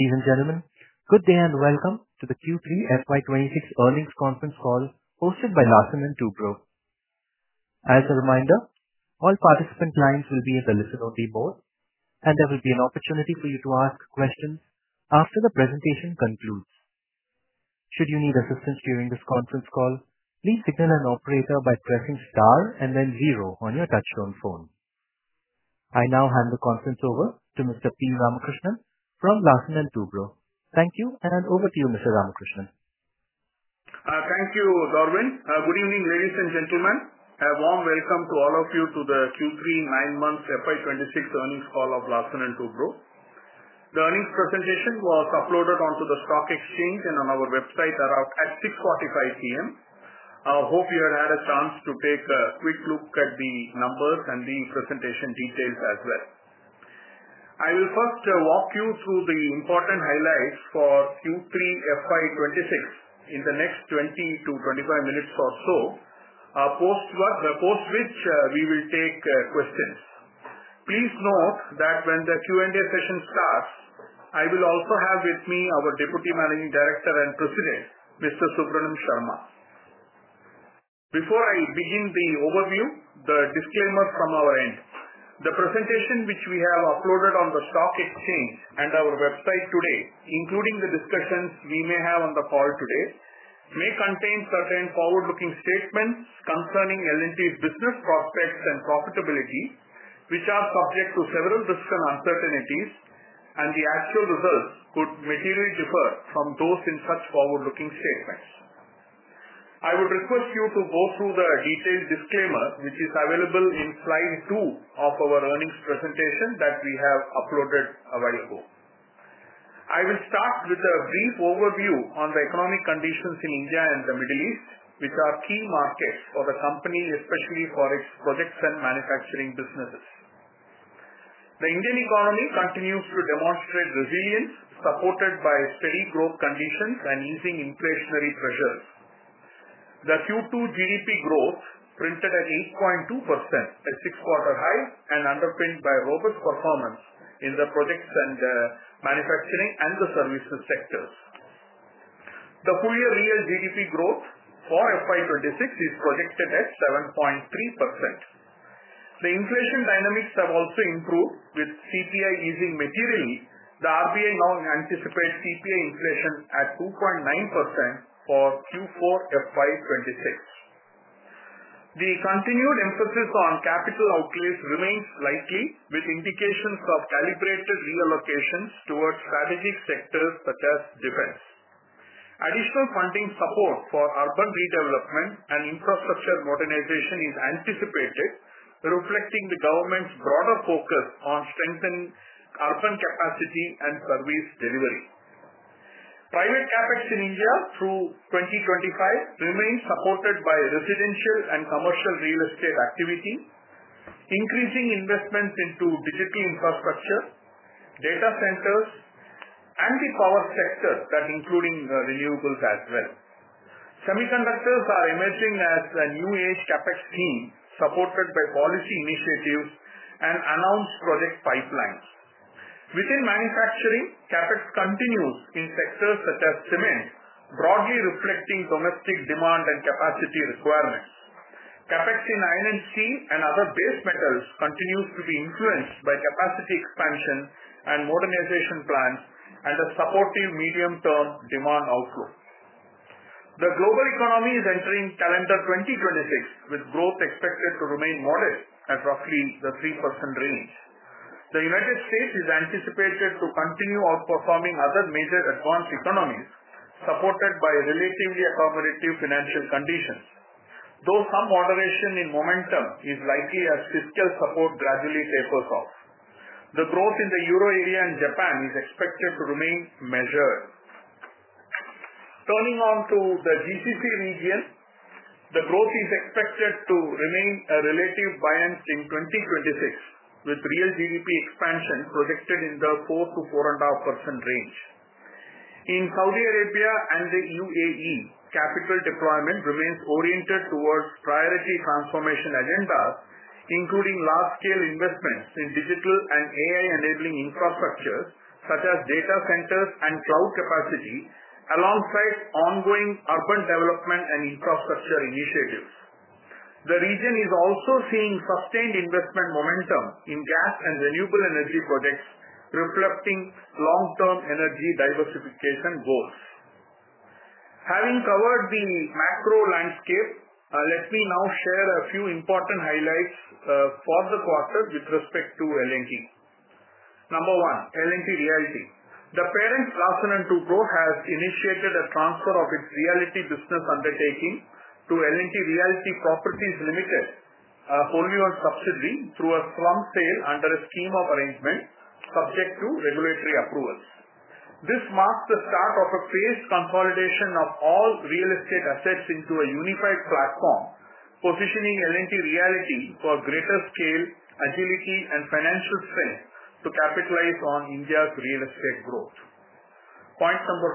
Ladies and gentlemen, good day and welcome to the Q3 FY26 Earnings Conference Call hosted by Larsen & Toubro. As a reminder, all participant lines will be in the listen-only mode, and there will be an opportunity for you to ask questions after the presentation concludes. Should you need assistance during this conference call, please signal an operator by pressing star and then zero on your touchtone phone. I now hand the conference over to Mr. P. Ramakrishnan from Larsen & Toubro. Thank you, and over to you, Mr. Ramakrishnan. Thank you, Darwin. Good evening, ladies and gentlemen. A warm welcome to all of you to the Q3 nine-month FY2026 earnings call of Larsen & Toubro. The earnings presentation was uploaded onto the stock exchange and on our website around 6:45 P.M. I hope you have had a chance to take a quick look at the numbers and the presentation details as well. I will first walk you through the important highlights for Q3 FY 2026 in the next 20-25 minutes or so, after which we will take questions. Please note that when the Q&A session starts, I will also have with me our Deputy Managing Director and President, Mr. Subramanian Sarma. Before I begin the overview, the disclaimer from our end. The presentation, which we have uploaded on the stock exchange and our website today, including the discussions we may have on the call today, may contain certain forward-looking statements concerning L&T's business prospects and profitability, which are subject to several risks and uncertainties, and the actual results could materially differ from those in such forward-looking statements. I would request you to go through the detailed disclaimer, which is available in slide two of our earnings presentation that we have uploaded a while ago. I will start with a brief overview on the economic conditions in India and the Middle East, which are key markets for the company, especially for its projects and manufacturing businesses. The Indian economy continues to demonstrate resilience, supported by steady growth conditions and easing inflationary pressures. The Q2 GDP growth printed at 8.2%, a six-quarter high, and underpinned by robust performance in the projects and manufacturing and the services sectors. The full year real GDP growth for FY 2026 is projected at 7.3%. The inflation dynamics have also improved, with CPI easing materially. The RBI now anticipates CPI inflation at 2.9% for Q4 FY 2026. The continued emphasis on capital outlays remains likely, with indications of calibrated reallocations towards strategic sectors such as defense. Additional funding support for urban redevelopment and infrastructure modernization is anticipated, reflecting the government's broader focus on strengthening urban capacity and service delivery. Private CapEx in India through 2025 remains supported by residential and commercial real estate activity, increasing investments into digital infrastructure, data centers and the power sector, that including renewables as well. Semiconductors are emerging as a new age CapEx theme, supported by policy initiatives and announced project pipelines. Within manufacturing, CapEx continues in sectors such as cement, broadly reflecting domestic demand and capacity requirements. CapEx in iron and steel and other base metals continues to be influenced by capacity expansion and modernization plans and a supportive medium-term demand outlook. The global economy is entering calendar 2026, with growth expected to remain modest at roughly the 3% range. The United States is anticipated to continue outperforming other major advanced economies, supported by relatively accommodative financial conditions, though some moderation in momentum is likely as fiscal support gradually tapers off. The growth in the Euro area and Japan is expected to remain measured. Turning on to the GCC region, the growth is expected to remain relatively buoyant in 2026, with real GDP expansion projected in the 4%-4.5% range. In Saudi Arabia and the UAE, capital deployment remains oriented towards priority transformation agendas, including large-scale investments in digital and AI-enabling infrastructure, such as data centers and cloud capacity, alongside ongoing urban development and infrastructure initiatives. The region is also seeing sustained investment momentum in gas and renewable energy projects, reflecting long-term energy diversification goals. Having covered the macro landscape, let me now share a few important highlights for the quarter with respect to L&T. Number one, L&T Realty. The parent, Larsen & Toubro, has initiated a transfer of its realty business undertaking to L&T Realty Properties Limited, a wholly owned subsidiary, through a slump sale under a scheme of arrangement, subject to regulatory approvals. This marks the start of a phased consolidation of all real estate assets into a unified platform, positioning L&T Realty for greater scale, agility, and financial strength to capitalize on India's real estate growth. Point number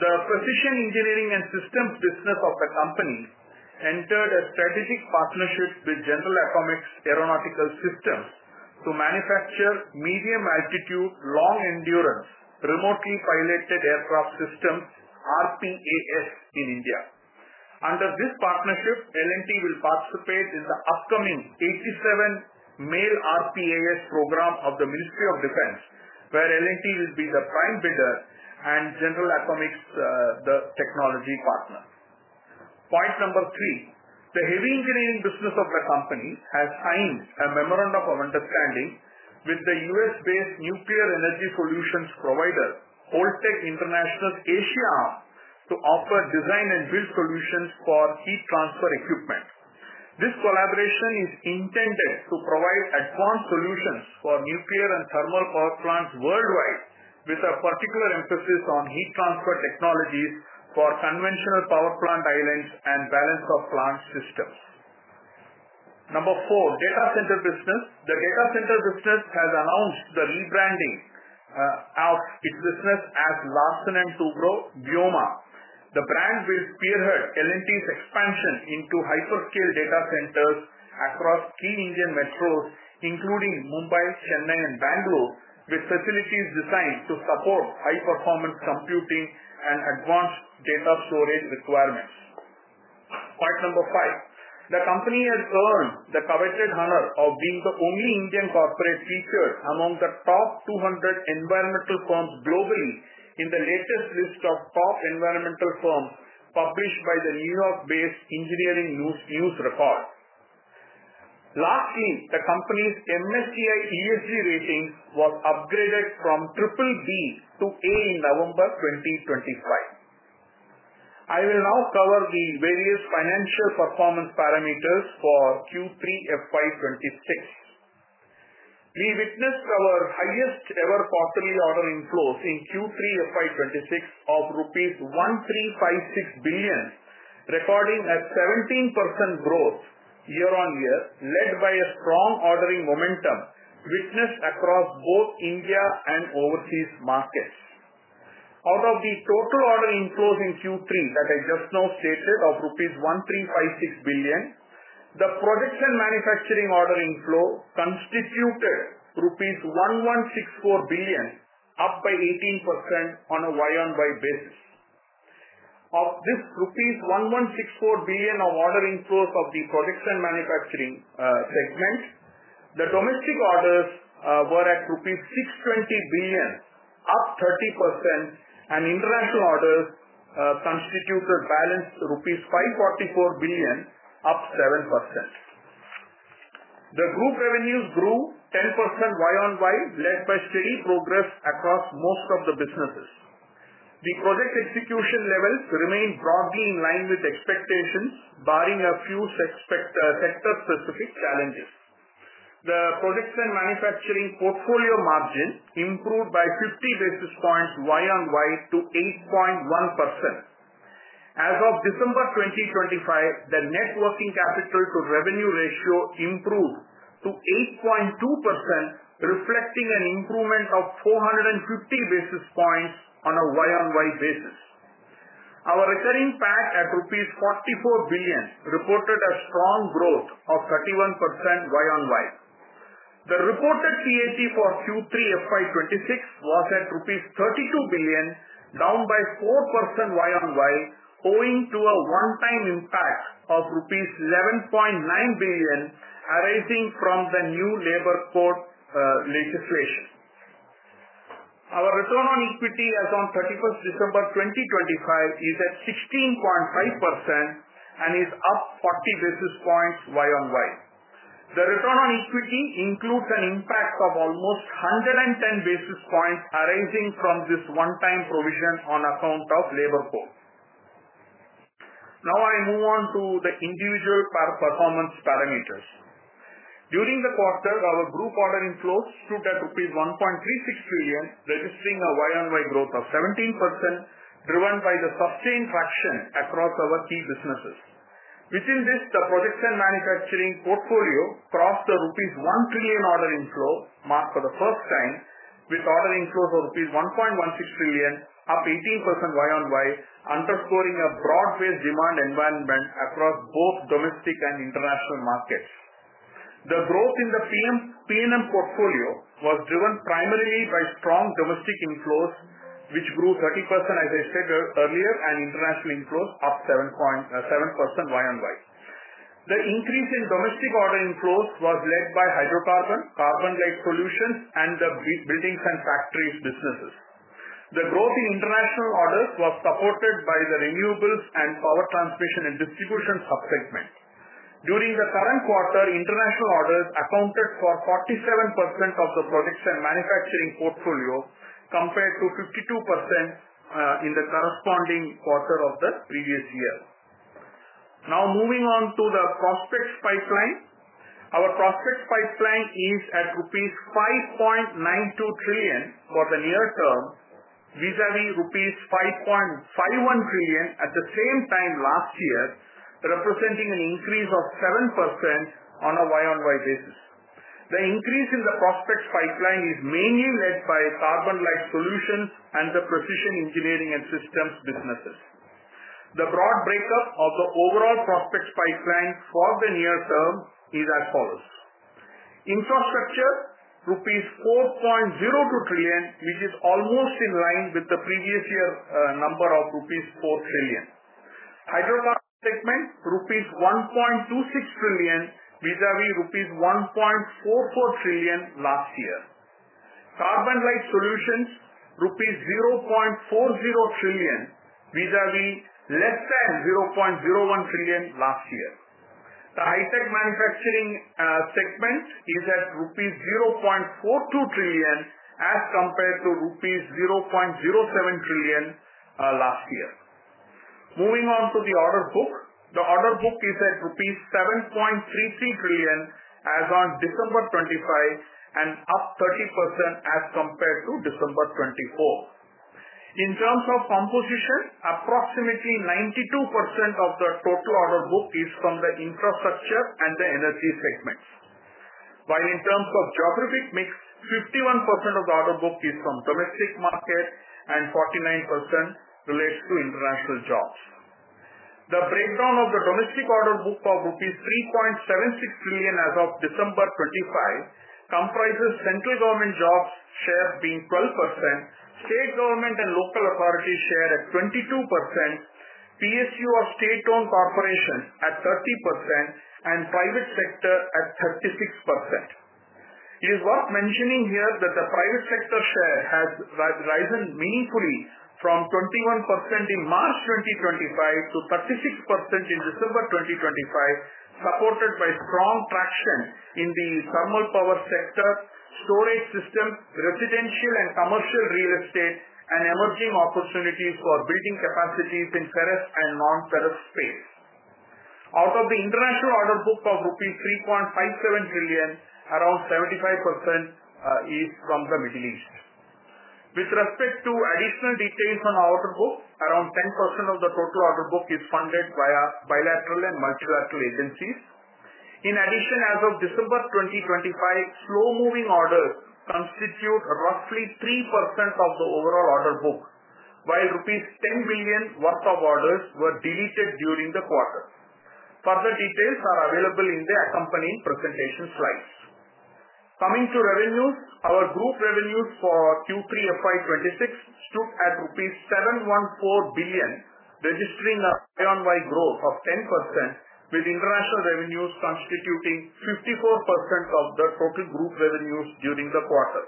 two, the precision engineering and systems business of the company entered a strategic partnership with General Atomics Aeronautical Systems to manufacture medium altitude, long endurance, remotely piloted aircraft systems, RPAS, in India. Under this partnership, L&T will participate in the upcoming 87 MALE RPAS program of the Ministry of Defence, where L&T will be the prime bidder and General Atomics, the technology partner. Point number three, the heavy engineering business of the company has signed a memorandum of understanding with the U.S.-based nuclear energy solutions provider, Holtec International Asia, to offer design and build solutions for heat transfer equipment. This collaboration is intended to provide advanced solutions for nuclear and thermal power plants worldwide, with a particular emphasis on heat transfer technologies for conventional power plant islands and balance of plant systems. Number four, data center business. The data center business has announced the rebranding of its business as Larsen & Toubro Vyoma. The brand will spearhead L&T's expansion into hyperscale data centers across key Indian metros, including Mumbai, Chennai, and Bangalore, with facilities designed to support high-performance computing and advanced data storage requirements. Point number five, the company has earned the coveted honor of being the only Indian corporate featured among the top 200 environmental firms globally in the latest list of top environmental firms published by the New York-based Engineering News-Record. Lastly, the company's MSCI ESG rating was upgraded from triple B to A in November 2025. I will now cover the various financial performance parameters for Q3 FY 2026. We witnessed our highest ever quarterly order inflows in Q3 FY 2026 of rupees 1,356 billion, recording a 17% growth year-on-year, led by a strong ordering momentum witnessed across both India and overseas markets. Out of the total order inflows in Q3 that I just now stated of rupees 1,356 billion, the projects and manufacturing order inflow constituted rupees 1,164 billion, up by 18% on a YoY basis. Of this rupees 1,164 billion of order inflows of the projects and manufacturing segment, the domestic orders were at rupees 620 billion, up 30%, and international orders constituted balance rupees 544 billion, up 7%. The group revenues grew 10% YoY, led by steady progress across most of the businesses. The project execution levels remained broadly in line with expectations, barring a few sector-specific challenges. The projects and manufacturing portfolio margin improved by 50 basis points YoY to 8.1%. As of December 2025, the net working capital to revenue ratio improved to 8.2%, reflecting an improvement of 450 basis points on a YoY basis. Our recurring PAT at INR 44 billion reported a strong growth of 31% YoY. The reported PAT for Q3 FY 2026 was at rupees 32 billion, down by 4% YoY, owing to a one-time impact of rupees 11.9 billion arising from the new labor code legislation. Our return on equity as on 31 December 2025 is at 16.5% and is up 40 basis points year-over-year. The return on equity includes an impact of almost 110 basis points arising from this one-time provision on account of labor code. Now, I move on to the individual per performance parameters. During the quarter, our group order inflows stood at rupees 1.36 trillion, registering a year-over-year growth of 17%, driven by the sustained traction across our key businesses. Within this, the projects and manufacturing portfolio crossed the rupees 1 trillion order inflow mark for the first time, with order inflow of rupees 1.16 trillion, up 18% year-over-year, underscoring a broad-based demand environment across both domestic and international markets. The growth in the PM, PNM portfolio was driven primarily by strong domestic inflows, which grew 30%, as I stated earlier, and international inflows up 7.7% YoY. The increase in domestic order inflows was led by hydrocarbon, CarbonLite Solutions, and the buildings and factories businesses. The growth in international orders was supported by the renewables and power transmission and distribution sub-segments. During the current quarter, international orders accounted for 47% of the projects and manufacturing portfolio, compared to 52% in the corresponding quarter of the previous year. Now, moving on to the prospects pipeline. Our prospects pipeline is at rupees 5.92 trillion for the near term, vis-a-vis rupees 5.51 trillion at the same time last year, representing an increase of 7% on a YoY basis. The increase in the prospects pipeline is mainly led by carbon light solutions and the precision engineering and systems businesses. The broad breakup of the overall prospects pipeline for the near term is as follows: infrastructure, rupees 4.02 trillion, which is almost in line with the previous year, number of 4 trillion. Hydrocarbon segment, rupees 1.26 trillion, vis-a-vis rupees 1.44 trillion last year. Carbon light solutions, rupees 0.40 trillion, vis-a-vis less than 0.01 trillion last year. The high-tech manufacturing segment is at rupees 0.42 trillion, as compared to rupees 0.07 trillion last year. Moving on to the order book. The order book is at rupees 7.33 trillion as on December 25, and up 30% as compared to December 24. In terms of composition, approximately 92% of the total order book is from the infrastructure and the energy segments. While in terms of geographic mix, 51% of the order book is from domestic market and 49% relates to international jobs. The breakdown of the domestic order book of rupees 3.76 trillion as of December 25 comprises central government jobs share being 12%, state government and local authorities share at 22%, PSU or state-owned corporations at 30%, and private sector at 36%. It is worth mentioning here that the private sector share has risen meaningfully from 21% in March 2025 to 36% in December 2025, supported by strong traction in the thermal power sector, storage system, residential and commercial real estate, and emerging opportunities for building capacities in ferrous and non-ferrous space. Out of the international order book of rupees 3.57 trillion, around 75% is from the Middle East. With respect to additional details on order book, around 10% of the total order book is funded via bilateral and multilateral agencies. In addition, as of December 2025, slow-moving orders constitute roughly 3% of the overall order book, while rupees 10 billion worth of orders were deleted during the quarter. Further details are available in the accompanying presentation slides. Coming to revenues. Our group revenues for Q3 FY 2026 stood at rupees 714 billion, registering a year-on-year growth of 10%, with international revenues constituting 54% of the total group revenues during the quarter.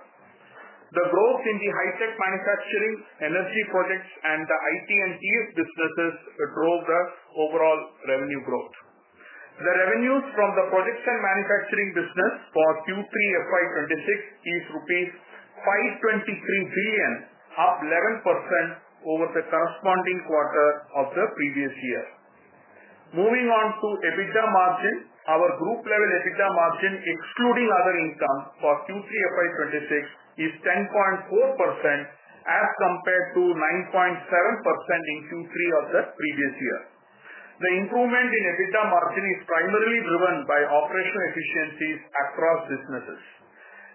The growth in the high-tech manufacturing, energy projects and the IT and ES businesses drove the overall revenue growth. The revenues from the projects and manufacturing business for Q3 FY 2026 is rupees 523 billion, up 11% over the corresponding quarter of the previous year. Moving on to EBITDA margin. Our group level EBITDA margin, excluding other income, for Q3 FY 2026 is 10.4% as compared to 9.7% in Q3 of the previous year. The improvement in EBITDA margin is primarily driven by operational efficiencies across businesses.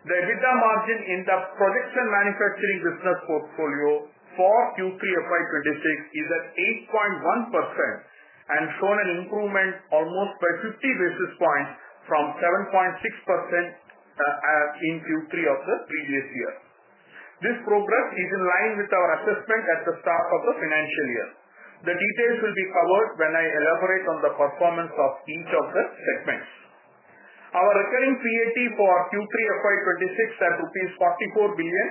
The EBITDA margin in the projects and manufacturing business portfolio for Q3 FY 2026 is at 8.1% and shown an improvement almost by 50 basis points from 7.6%, in Q3 of the previous year. This progress is in line with our assessment at the start of the financial year. The details will be covered when I elaborate on the performance of each of the segments. Our recurring PAT for Q3 FY 2026 at rupees 44 billion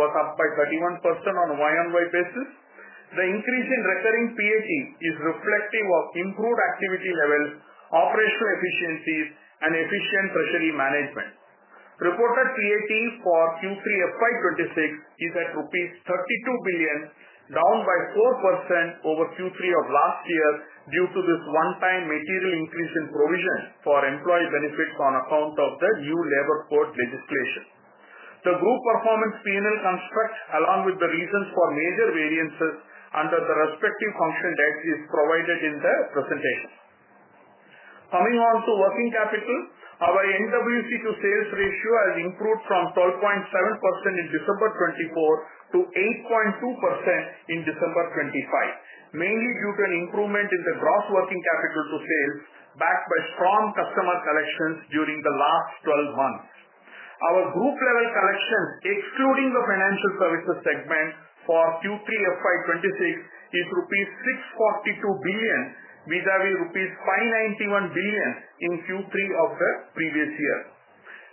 was up by 31% on a year-on-year basis. The increase in recurring PAT is reflective of improved activity levels, operational efficiencies and efficient treasury management. Reported PAT for Q3 FY 2026 is at rupees 32 billion, down by 4% over Q3 of last year due to this one-time material increase in provision for employee benefits on account of the new labor code legislation. The group performance P&L construct, along with the reasons for major variances under the respective function heads, is provided in the presentation. Coming on to working capital. Our NWC to sales ratio has improved from 12.7% in December 2024 to 8.2% in December 2025, mainly due to an improvement in the gross working capital to sales, backed by strong customer collections during the last 12 months. Our group level collections, excluding the financial services segment for Q3 FY 2026, is 642 billion rupees, vis-a-vis 591 billion rupees in Q3 of the previous year.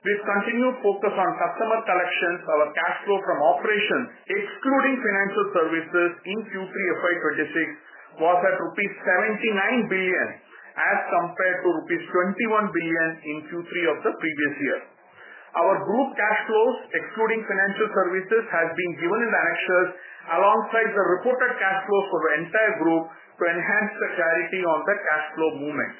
With continued focus on customer collections, our cash flow from operations, excluding financial services in Q3 FY 2026, was at rupees 79 billion as compared to rupees 21 billion in Q3 of the previous year. Our group cash flows, excluding financial services, has been given in the annexures, alongside the reported cash flows for the entire group to enhance the clarity on the cash flow movements.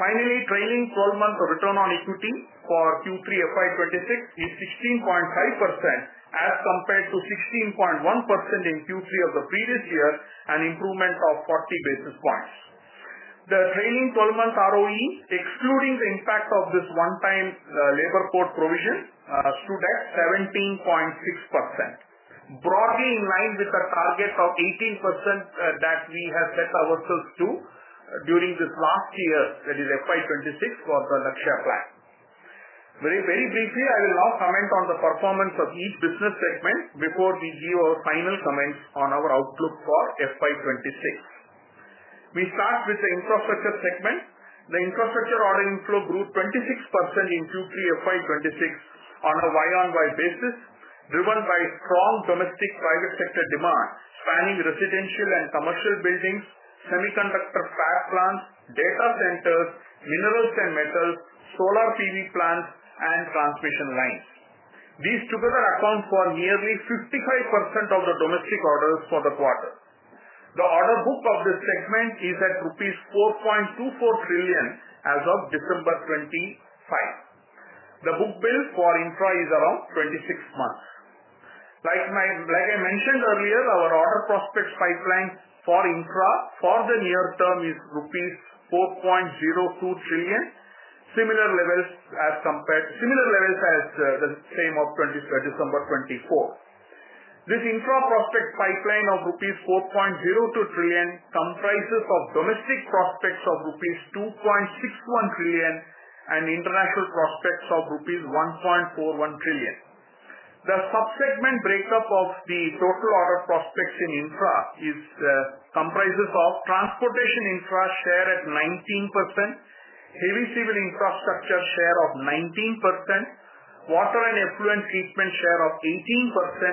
Finally, trailing 12-month return on equity for Q3 FY 2026 is 16.5% as compared to 16.1% in Q3 of the previous year, an improvement of 40 basis points... The trailing 12 months ROE, excluding the impact of this one time, labor code provision, stood at 17.6%. Broadly in line with the target of 18%, that we have set ourselves to during this last year, that is FY 2026 for the Lakshya plan. Very, very briefly, I will now comment on the performance of each business segment before we give our final comments on our outlook for FY 2026. We start with the infrastructure segment. The infrastructure order inflow grew 26% in Q3 FY26 on a YoY basis, driven by strong domestic private sector demand, spanning residential and commercial buildings, semiconductor fab plants, data centers, minerals and metals, solar PV plants and transmission lines. These together account for nearly 55% of the domestic orders for the quarter. The order book of this segment is at rupees 4.24 trillion as of December 2025. The book build for infra is around 26 months. Like I mentioned earlier, our order prospects pipeline for infra for the near term is rupees 4.02 trillion. Similar levels as compared, similar levels as, the same of December 2024. This infra prospect pipeline of rupees 4.02 trillion comprises of domestic prospects of rupees 2.61 trillion and international prospects of rupees 1.41 trillion. The sub-segment breakup of the total order prospects in infra is, comprises of transportation infra share at 19%, heavy civil infrastructure share of 19%, water and effluent treatment share of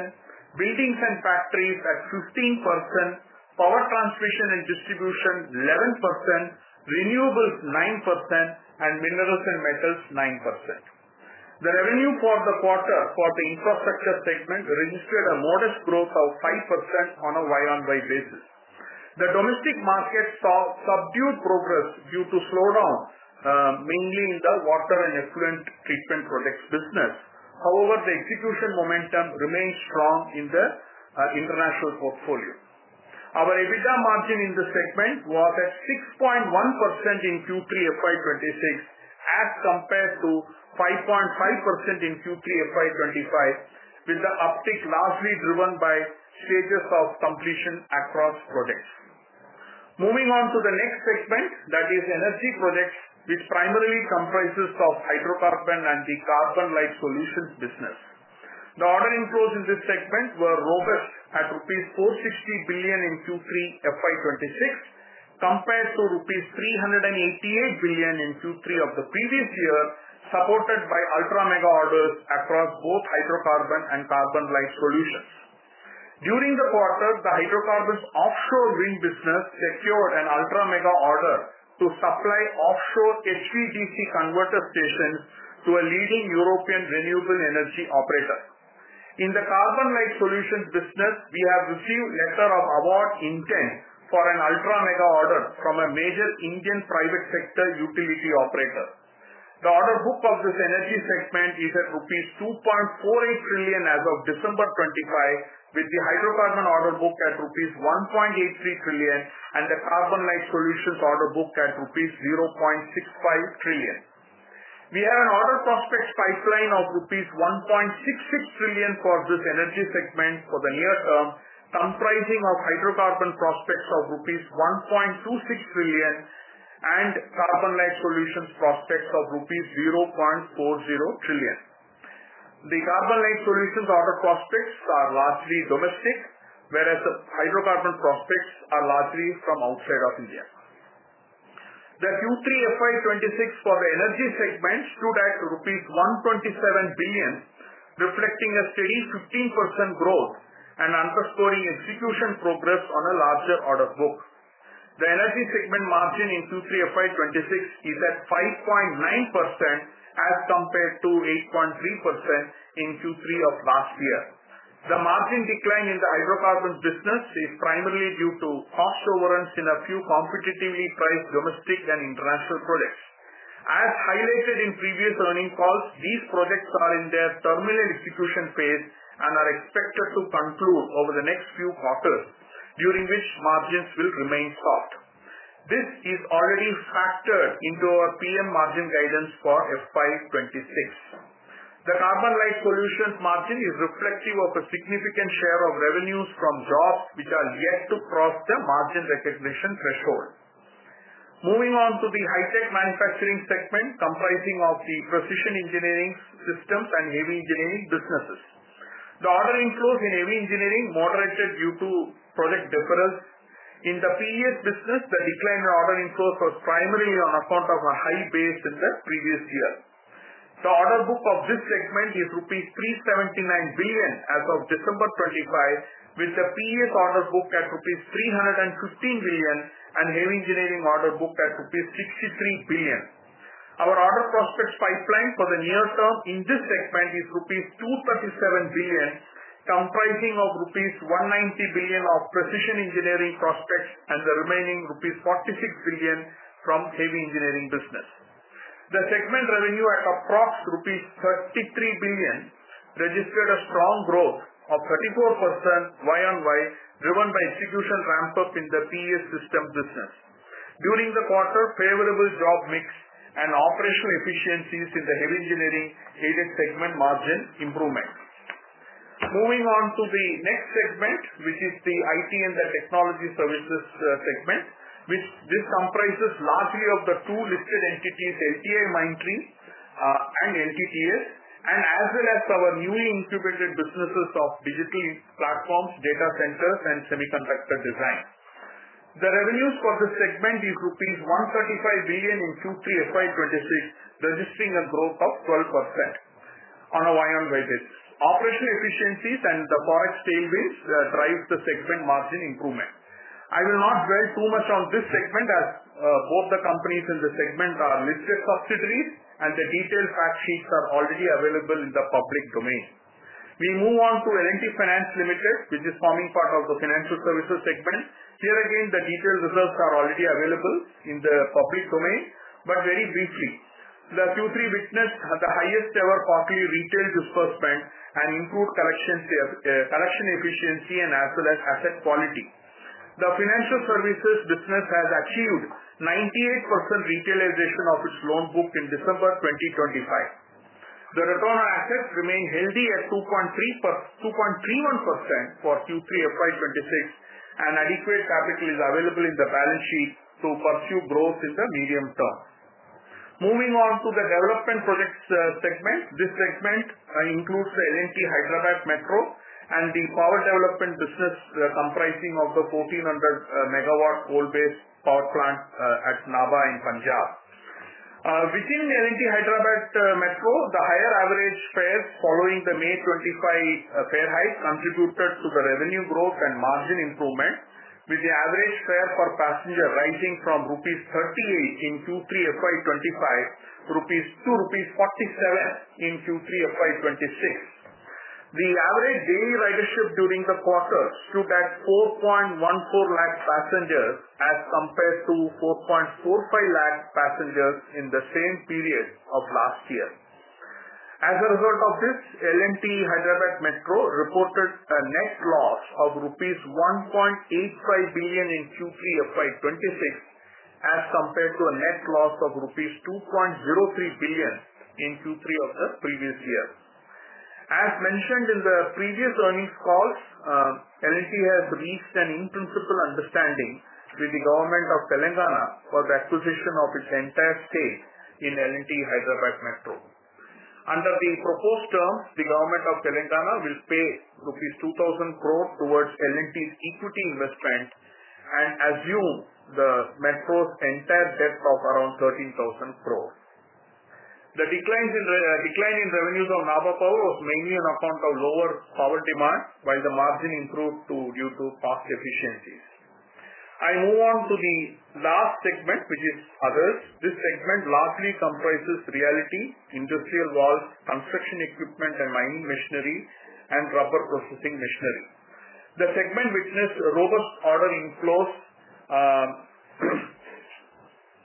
18%, buildings and factories at 15%, power transmission and distribution 11%, renewables 9%, and minerals and metals 9%. The revenue for the quarter for the infrastructure segment registered a modest growth of 5% on a year-on-year basis. The domestic market saw subdued progress due to slowdown, mainly in the water and effluent treatment projects business. However, the execution momentum remains strong in the international portfolio. Our EBITDA margin in the segment was at 6.1% in Q3 FY 2026, as compared to 5.5% in Q3 FY 2025, with the uptick largely driven by stages of completion across projects. Moving on to the next segment, that is energy projects, which primarily comprises of hydrocarbon and the CarbonLite Solutions business. The order inflows in this segment were robust at 460 billion rupees in Q3 FY 2026, compared to 388 billion rupees in Q3 of the previous year, supported by ultra mega orders across both hydrocarbon and CarbonLite Solutions. During the quarter, the hydrocarbons offshore wind business secured an ultra mega order to supply offshore HVDC converter stations to a leading European renewable energy operator. In the CarbonLite Solutions business, we have received letter of award intent for an ultra mega order from a major Indian private sector utility operator. The order book of this energy segment is at rupees 2.48 trillion as of December 25, with the hydrocarbon order book at rupees 1.83 trillion and the CarbonLite Solutions order book at rupees 0.65 trillion. We have an order prospects pipeline of rupees 1.66 trillion for this energy segment for the near term, comprising of hydrocarbon prospects of rupees 1.26 trillion and CarbonLite Solutions prospects of rupees 0.40 trillion. The CarbonLite Solutions order prospects are largely domestic, whereas the hydrocarbon prospects are largely from outside of India. The Q3 FY 2026 for the energy segment stood at rupees 127 billion, reflecting a steady 15% growth and underscoring execution progress on a larger order book. The energy segment margin in Q3 FY 2026 is at 5.9%, as compared to 8.3% in Q3 of last year. The margin decline in the hydrocarbons business is primarily due to cost overruns in a few competitively priced domestic and international projects. As highlighted in previous earnings calls, these projects are in their terminal execution phase and are expected to conclude over the next few quarters, during which margins will remain soft. This is already factored into our PM margin guidance for FY 2026. The CarbonLite Solutions margin is reflective of a significant share of revenues from jobs which are yet to cross the margin recognition threshold. Moving on to the high-tech manufacturing segment, comprising of the precision engineering systems and heavy engineering businesses. The order inflows in heavy engineering moderated due to project deferrals. In the PE business, the decline in order inflows was primarily on account of a high base in the previous year. The order book of this segment is rupees 379 billion as of December 25, with the PE order book at rupees 315 billion and heavy engineering order book at rupees 63 billion. Our order prospects pipeline for the near term in this segment is rupees 237 billion, comprising of rupees 190 billion of precision engineering prospects and the remaining rupees 46 billion from heavy engineering business. The segment revenue at approx rupees 33 billion, registered a strong growth of 34% YoY, driven by execution ramp-up in the PE system business. During the quarter, favorable job mix and operational efficiencies in the heavy engineering created segment margin improvement. Moving on to the next segment, which is the IT and technology services segment, which this comprises largely of the two listed entities, LTI Mindtree, and L&T Technology Services, and as well as our newly incubated businesses of digital platforms, data centers, and semiconductor design. The revenues for this segment is rupees 135 billion in Q3 FY 2026, registering a growth of 12% on a year-on-year basis. Operational efficiencies and the forex tailwinds drive the segment margin improvement. I will not dwell too much on this segment, as both the companies in the segment are listed subsidiaries, and the detailed fact sheets are already available in the public domain. We move on to L&T Finance Limited, which is forming part of the financial services segment. Here again, the detailed results are already available in the public domain, but very briefly, the Q3 witnessed the highest ever quarterly retail disbursement and improved collection care, collection efficiency and as well as asset quality. The financial services business has achieved 98% retailization of its loan book in December 2025. The return on assets remain healthy at 2.31% for Q3 FY26, and adequate capital is available in the balance sheet to pursue growth in the medium term. Moving on to the development projects segment. This segment includes the L&T Hyderabad Metro and the power development business, comprising of the 1,400 MW coal-based power plant at Nabha in Punjab. Within L&T Hyderabad Metro, the higher average fares following the May 25 fare hike contributed to the revenue growth and margin improvement, with the average fare per passenger rising from rupees 38 in Q3 FY 2025 to 47 in Q3 FY 2026. The average daily ridership during the quarter stood at 4.14 lakh passengers as compared to 4.45 lakh passengers in the same period of last year. As a result of this, L&T Hyderabad Metro reported a net loss of rupees 1.85 billion in Q3 FY 2026, as compared to a net loss of rupees 2.03 billion in Q3 of the previous year. As mentioned in the previous earnings calls, L&T has reached an in-principle understanding with the Government of Telangana for the acquisition of its entire stake in L&T Hyderabad Metro. Under the proposed terms, the Government of Telangana will pay rupees 2,000 crore towards L&T's equity investment and assume the metro's entire debt of around 13,000 crore. The decline in revenues on Nabha Power was mainly on account of lower power demand, while the margin improved due to cost efficiencies. I move on to the last segment, which is others. This segment largely comprises realty, industrial valves, construction equipment, and mining machinery and rubber processing machinery. The segment witnessed a robust order inflows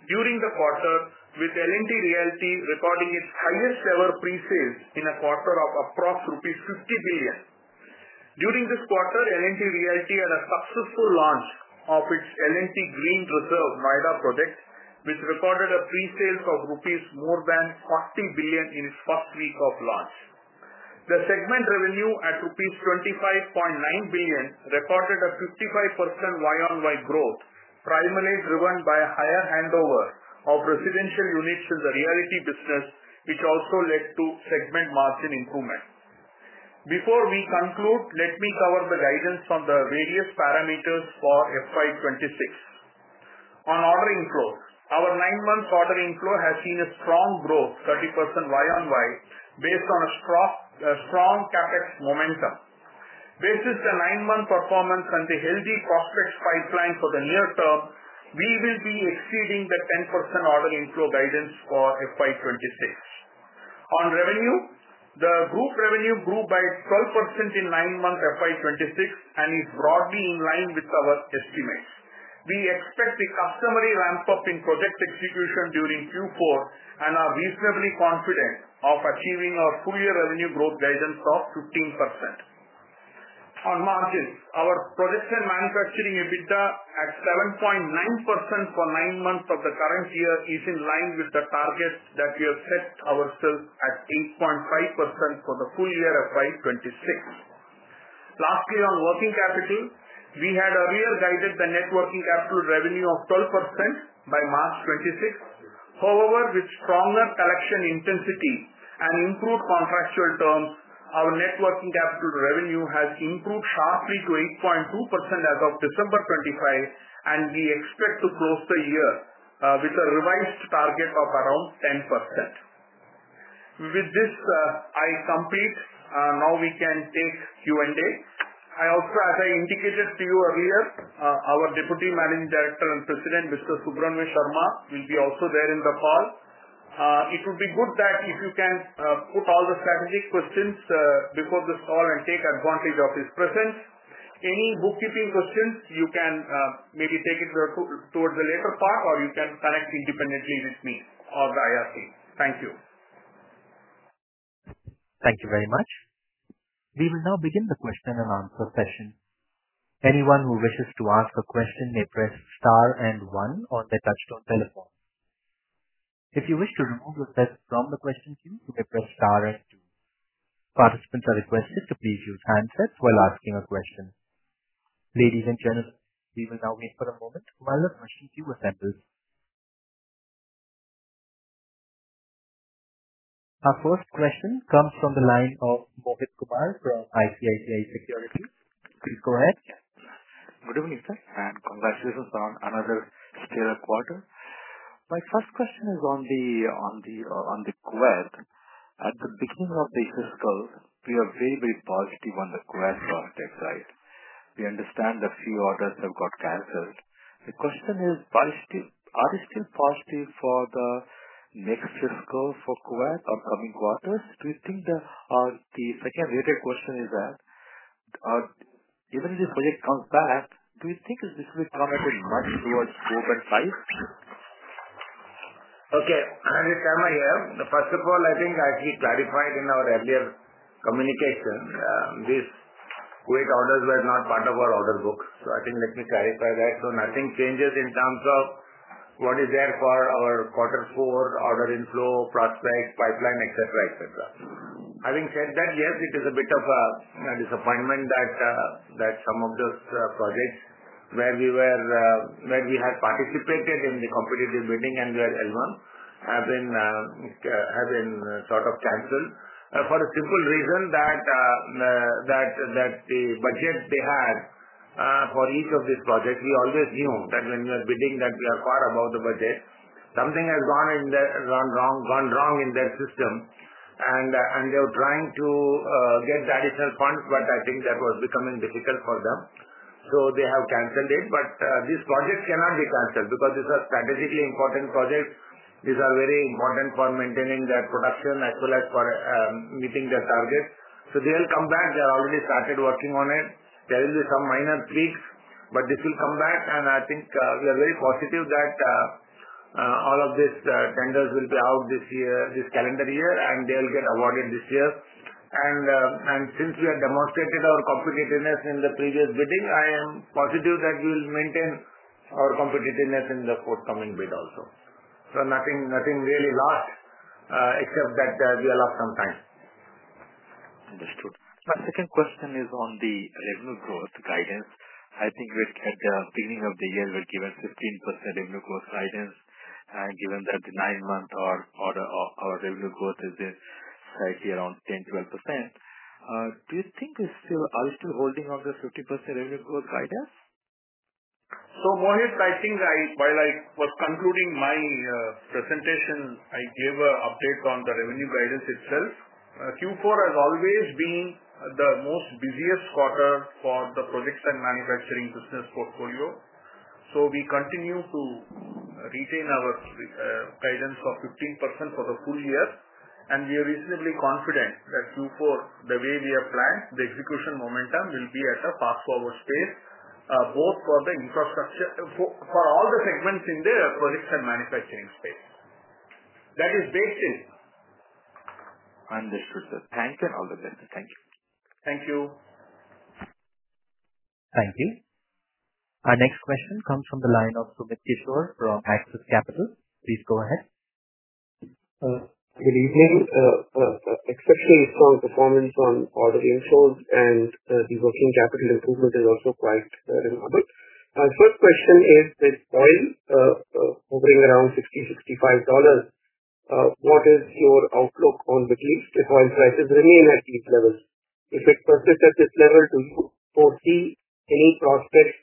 during the quarter, with L&T Realty recording its highest ever pre-sales in a quarter of approximately 60 billion. During this quarter, L&T Realty had a successful launch of its L&T Green Reserve Noida project, which recorded a pre-sale of more than 40 billion in its first week of launch. The segment revenue at rupees 25.9 billion recorded a 55% YoY growth, primarily driven by higher handover of residential units in the realty business, which also led to segment margin improvement. Before we conclude, let me cover the guidance on the various parameters for FY 2026. On order inflow, our nine months order inflow has seen a strong growth, 30% YoY, based on a strong, strong CapEx momentum. Based on the nine-month performance and the healthy prospects pipeline for the near term, we will be exceeding the 10% order inflow guidance for FY 2026. On revenue, the group revenue grew by 12% in nine months FY 2026 and is broadly in line with our estimates. We expect the customary ramp-up in project execution during Q4 and are reasonably confident of achieving our full year revenue growth guidance of 15%. On margins, our projection manufacturing EBITDA at 7.9% for nine months of the current year is in line with the target that we have set ourselves at 8.5% for the full year FY 2026. Lastly, on working capital, we had earlier guided the net working capital revenue of 12% by March 2026. However, with stronger collection intensity and improved contractual terms, our net working capital revenue has improved sharply to 8.2% as of December 2025, and we expect to close the year with a revised target of around 10%. With this, I complete. Now we can take Q&A. I also, as I indicated to you earlier, our Deputy Managing Director and President, Mr. Subramanian Sarma, will be also there in the call. It would be good that if you can put all the strategic questions before this call and take advantage of his presence.... Any bookkeeping questions, you can maybe take it towards the later part, or you can connect independently with me or the IR team. Thank you. Thank you very much. We will now begin the question and answer session. Anyone who wishes to ask a question may press star and one on their touchtone telephone. If you wish to remove yourself from the question queue, you may press star and two. Participants are requested to please mute handsets while asking a question. Ladies and gentlemen, we will now wait for a moment while the question queue assembles. Our first question comes from the line of Mohit Kumar from ICICI Securities. Please go ahead. Good evening, sir, and congratulations on another stellar quarter. My first question is on the Kuwait. At the beginning of the fiscal, we are very, very positive on the Kuwait project, right? We understand a few orders have got canceled. The question is, positive, are you still positive for the next fiscal for Kuwait or coming quarters? Do you think the second related question is that, even if this project comes back, do you think this will come at a much lower scope and price? Okay, Sarma here. First of all, I think I actually clarified in our earlier communication, these Kuwait orders were not part of our order book. So I think let me clarify that. So nothing changes in terms of what is there for our quarter four order inflow, prospects, pipeline, et cetera, et cetera. Having said that, yes, it is a bit of a disappointment that some of those projects where we were, where we had participated in the competitive bidding and we are in one, have been sort of canceled for a simple reason that the budget they had for each of these projects, we always knew that when we are bidding, that we are far above the budget. Something has gone in their... Gone wrong, gone wrong in their system, and, and they were trying to, get the additional funds, but I think that was becoming difficult for them, so they have canceled it. But, these projects cannot be canceled because these are strategically important projects. These are very important for maintaining their production as well as for, meeting their targets. So they'll come back. They have already started working on it. There will be some minor tweaks, but this will come back, and I think, we are very positive that, all of these, tenders will be out this year, this calendar year, and they'll get awarded this year. And, and since we have demonstrated our competitiveness in the previous bidding, I am positive that we'll maintain our competitiveness in the forthcoming bid also. Nothing, nothing really lost, except that we have lost some time. Understood. My second question is on the revenue growth guidance. I think we're at the beginning of the year, we're given 15% revenue growth guidance, and given that the nine-month or order of our revenue growth is slightly around 10%-12%, do you think we're still, are still holding on this 15% revenue growth guidance? So, Mohit, I think while I was concluding my presentation, I gave an update on the revenue guidance itself. Q4 has always been the busiest quarter for the projects and manufacturing business portfolio. So we continue to retain our guidance of 15% for the full year, and we are reasonably confident that Q4, the way we have planned the execution momentum, will be at a fast forward pace, both for the infrastructure, for all the segments in the projects and manufacturing space. That is based it. Understood, sir. Thank you. All the best. Thank you. Thank you. Thank you. Our next question comes from the line of Sumit Kishor from Axis Capital. Please go ahead. Good evening. Exceptionally strong performance on order inflows and, the working capital improvement is also quite remarkable. First question is that oil hovering around $60-$65, what is your outlook on the if oil prices remain at these levels? If it persists at this level, do you foresee any prospects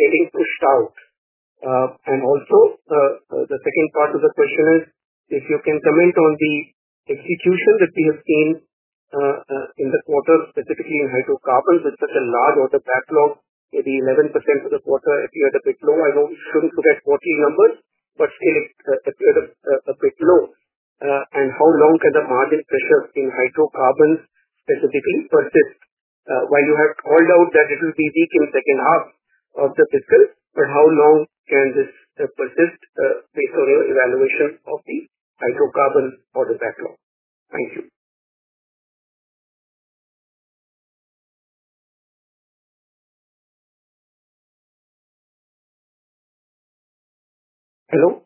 getting pushed out? And also, the second part of the question is, if you can comment on the execution that we have seen in this quarter, specifically in hydrocarbons, it's such a large order backlog, maybe 11% for the quarter. If you had a bit low, I know we shouldn't look at forty numbers, but still, a bit low. And how long can the margin pressure in hydrocarbons specifically persist? While you have called out that it will be weak in second half of the fiscal, but how long can this persist, based on your evaluation of the hydrocarbons order backlog? Thank you. Hello?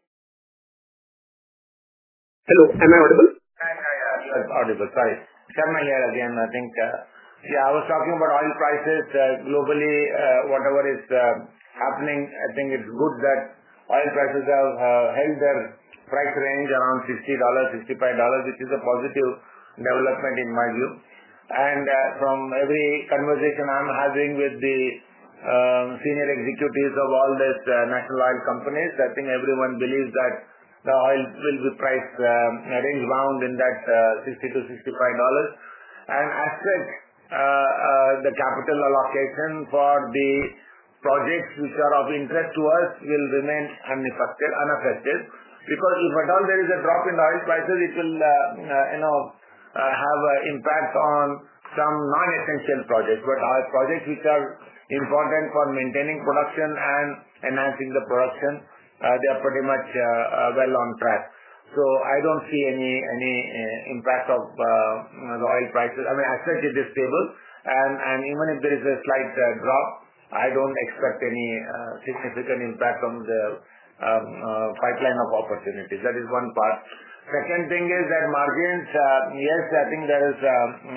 Hello, am I audible? Hi, hi, yeah. Audible. Sorry. Sarma here again. I think, yeah. I was talking about oil prices globally, whatever is happening, I think it's good that oil prices have held their price range around $60-$65, which is a positive development in my view. And from every conversation I'm having with the senior executives of all these national oil companies, I think everyone believes that the oil will be priced a range around in that $60-$65. And as such, the capital allocation for the projects which are of interest to us will remain unaffected, unaffected, because if at all there is a drop in the oil prices, it will, you know, have an impact on some non-essential projects. But our projects which are important for maintaining production and enhancing the production, they are pretty much, well on track. So I don't see any impact of the oil prices. I mean, as such, it is stable, and even if there is a slight drop, I don't expect any significant impact on the pipeline of opportunities. That is one part. Second thing is that margins, yes, I think there is some,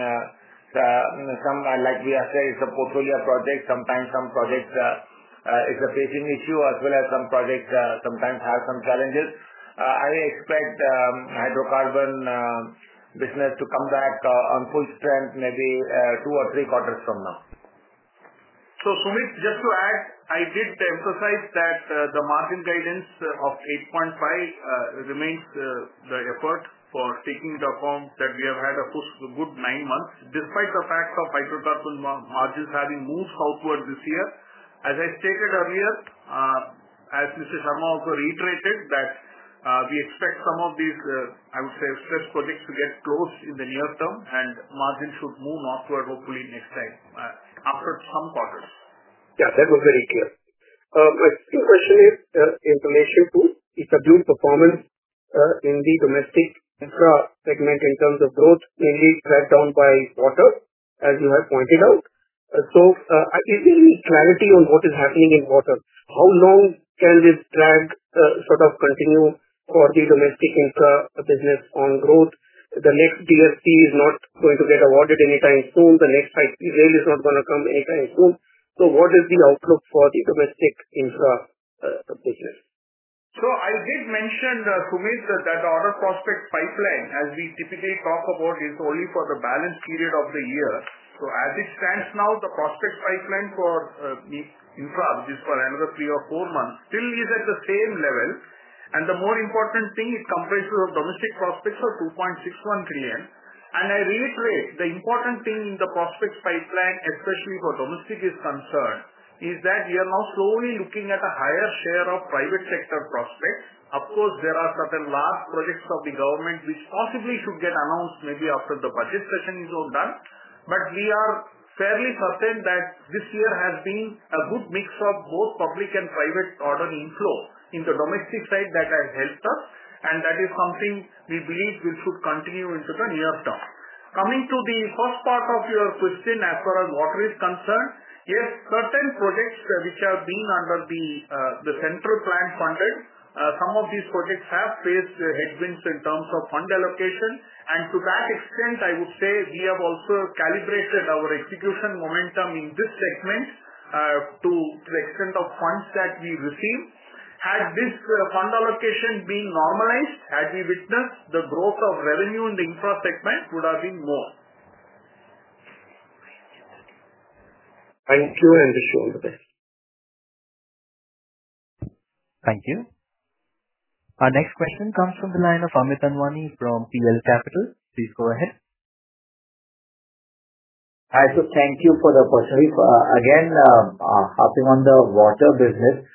like we have said, it's a portfolio project. Sometimes some projects is a pacing issue, as well as some projects sometimes have some challenges. I expect hydrocarbon business to come back on full strength, maybe 2 or 3 quarters from now. So Sumit, just to add, I did emphasize that the margin guidance of 8.5 remains the effort for taking it up from that we have had a good nine months, despite the fact of hydrocarbon margins having moved outward this year. As I stated earlier, as Mr. Sarma also reiterated, that we expect some of these, I would say, stressed projects to get closed in the near term and margins should move northward, hopefully next time after some quarters. Yeah, that was very clear. My second question is in relation to the subdued performance in the domestic infra segment in terms of growth, mainly dragged down by water, as you have pointed out. So, just clarity on what is happening in water. How long can this drag sort of continue for the domestic infra business on growth? The next DSP is not going to get awarded anytime soon. The next high speed rail is not gonna come anytime soon. So what is the outlook for the domestic infra business? So I did mention, Sumit, that that order prospect pipeline, as we typically talk about, is only for the balance period of the year. So as it stands now, the prospect pipeline for, the infra, which is for another three or four months, still is at the same level. And the more important thing, it compares to our domestic prospects for 2.61 trillion. And I reiterate, the important thing in the prospects pipeline, especially where domestic is concerned, is that we are now slowly looking at a higher share of private sector prospects. Of course, there are certain large projects of the government which possibly should get announced, maybe after the budget session is all done. But we are fairly certain that this year has been a good mix of both public and private order inflow in the domestic side that has helped us, and that is something we believe we should continue into the near term. Coming to the first part of your question, as far as water is concerned, yes, certain projects which have been under the, the central plan funded, some of these projects have faced headwinds in terms of fund allocation, and to that extent, I would say we have also calibrated our execution momentum in this segment, to the extent of funds that we receive. Had this, fund allocation been normalized, had we witnessed the growth of revenue in the infra segment would have been more. Thank you. I just show the best. Thank you. Our next question comes from the line of Amit Anwani from PL Capital. Please go ahead. Hi, so thank you for the question. Again, asking on the water business.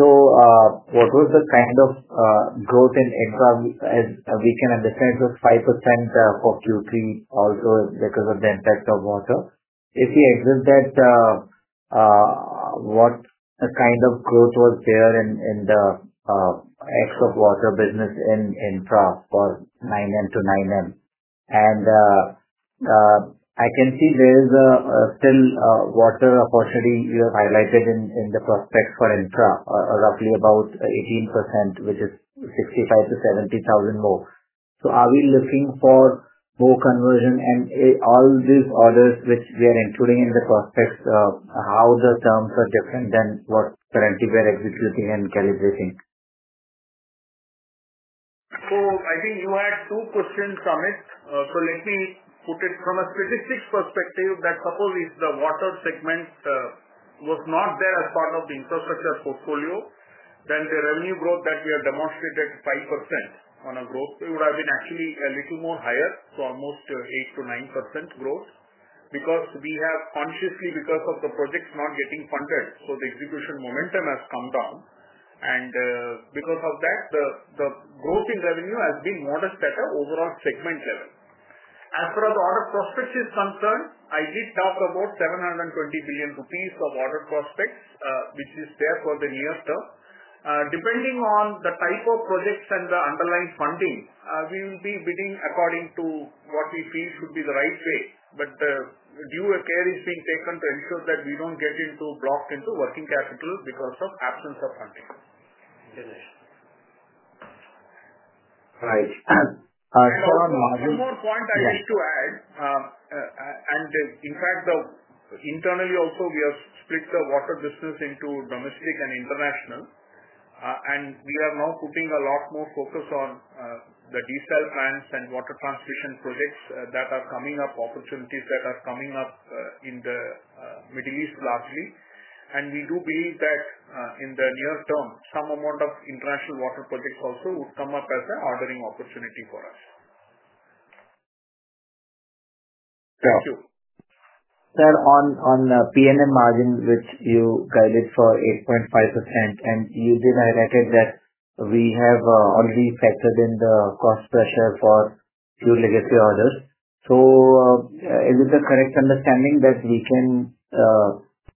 So, what was the kind of growth in infra? We can understand the 5% for Q3, also because of the impact of water. If you exclude that, what kind of growth was there in the ex-water business in infra for 9M to 9M? And, I can see there is a sizable water opportunity you have highlighted in the prospects for infra, roughly about 18%, which is 65 thousand-70 thousand more. So are we looking for more conversion? And all these orders which we are including in the prospects, how the terms are different than what currently we are executing and calibrating? So I think you had two questions, Amit. So let me put it from a statistics perspective, that suppose if the water segment was not there as part of the infrastructure portfolio, then the revenue growth that we have demonstrated, 5% on a growth, it would have been actually a little more higher, so almost eight to nine percent growth. Because we have consciously, because of the projects not getting funded, so the execution momentum has come down. And, because of that, the growth in revenue has been modest at an overall segment level. As far as order prospects is concerned, I did talk about 720 billion rupees of order prospects, which is there for the near term. Depending on the type of projects and the underlying funding, we will be bidding according to what we feel should be the right way. But due care is being taken to ensure that we don't get blocked into working capital because of absence of funding. Right. And, so on margin- One more point I'd like to add, and in fact, then internally also, we have split the water business into domestic and international. And we are now putting a lot more focus on the desal plants and water transmission projects that are coming up, opportunities that are coming up in the Middle East, largely. And we do believe that in the near term, some amount of international water projects also would come up as an ordering opportunity for us.... Sir, on PNM margin, which you guided for 8.5%, and you did highlight that we have already factored in the cost pressure for few legacy orders. So, is it the correct understanding that we can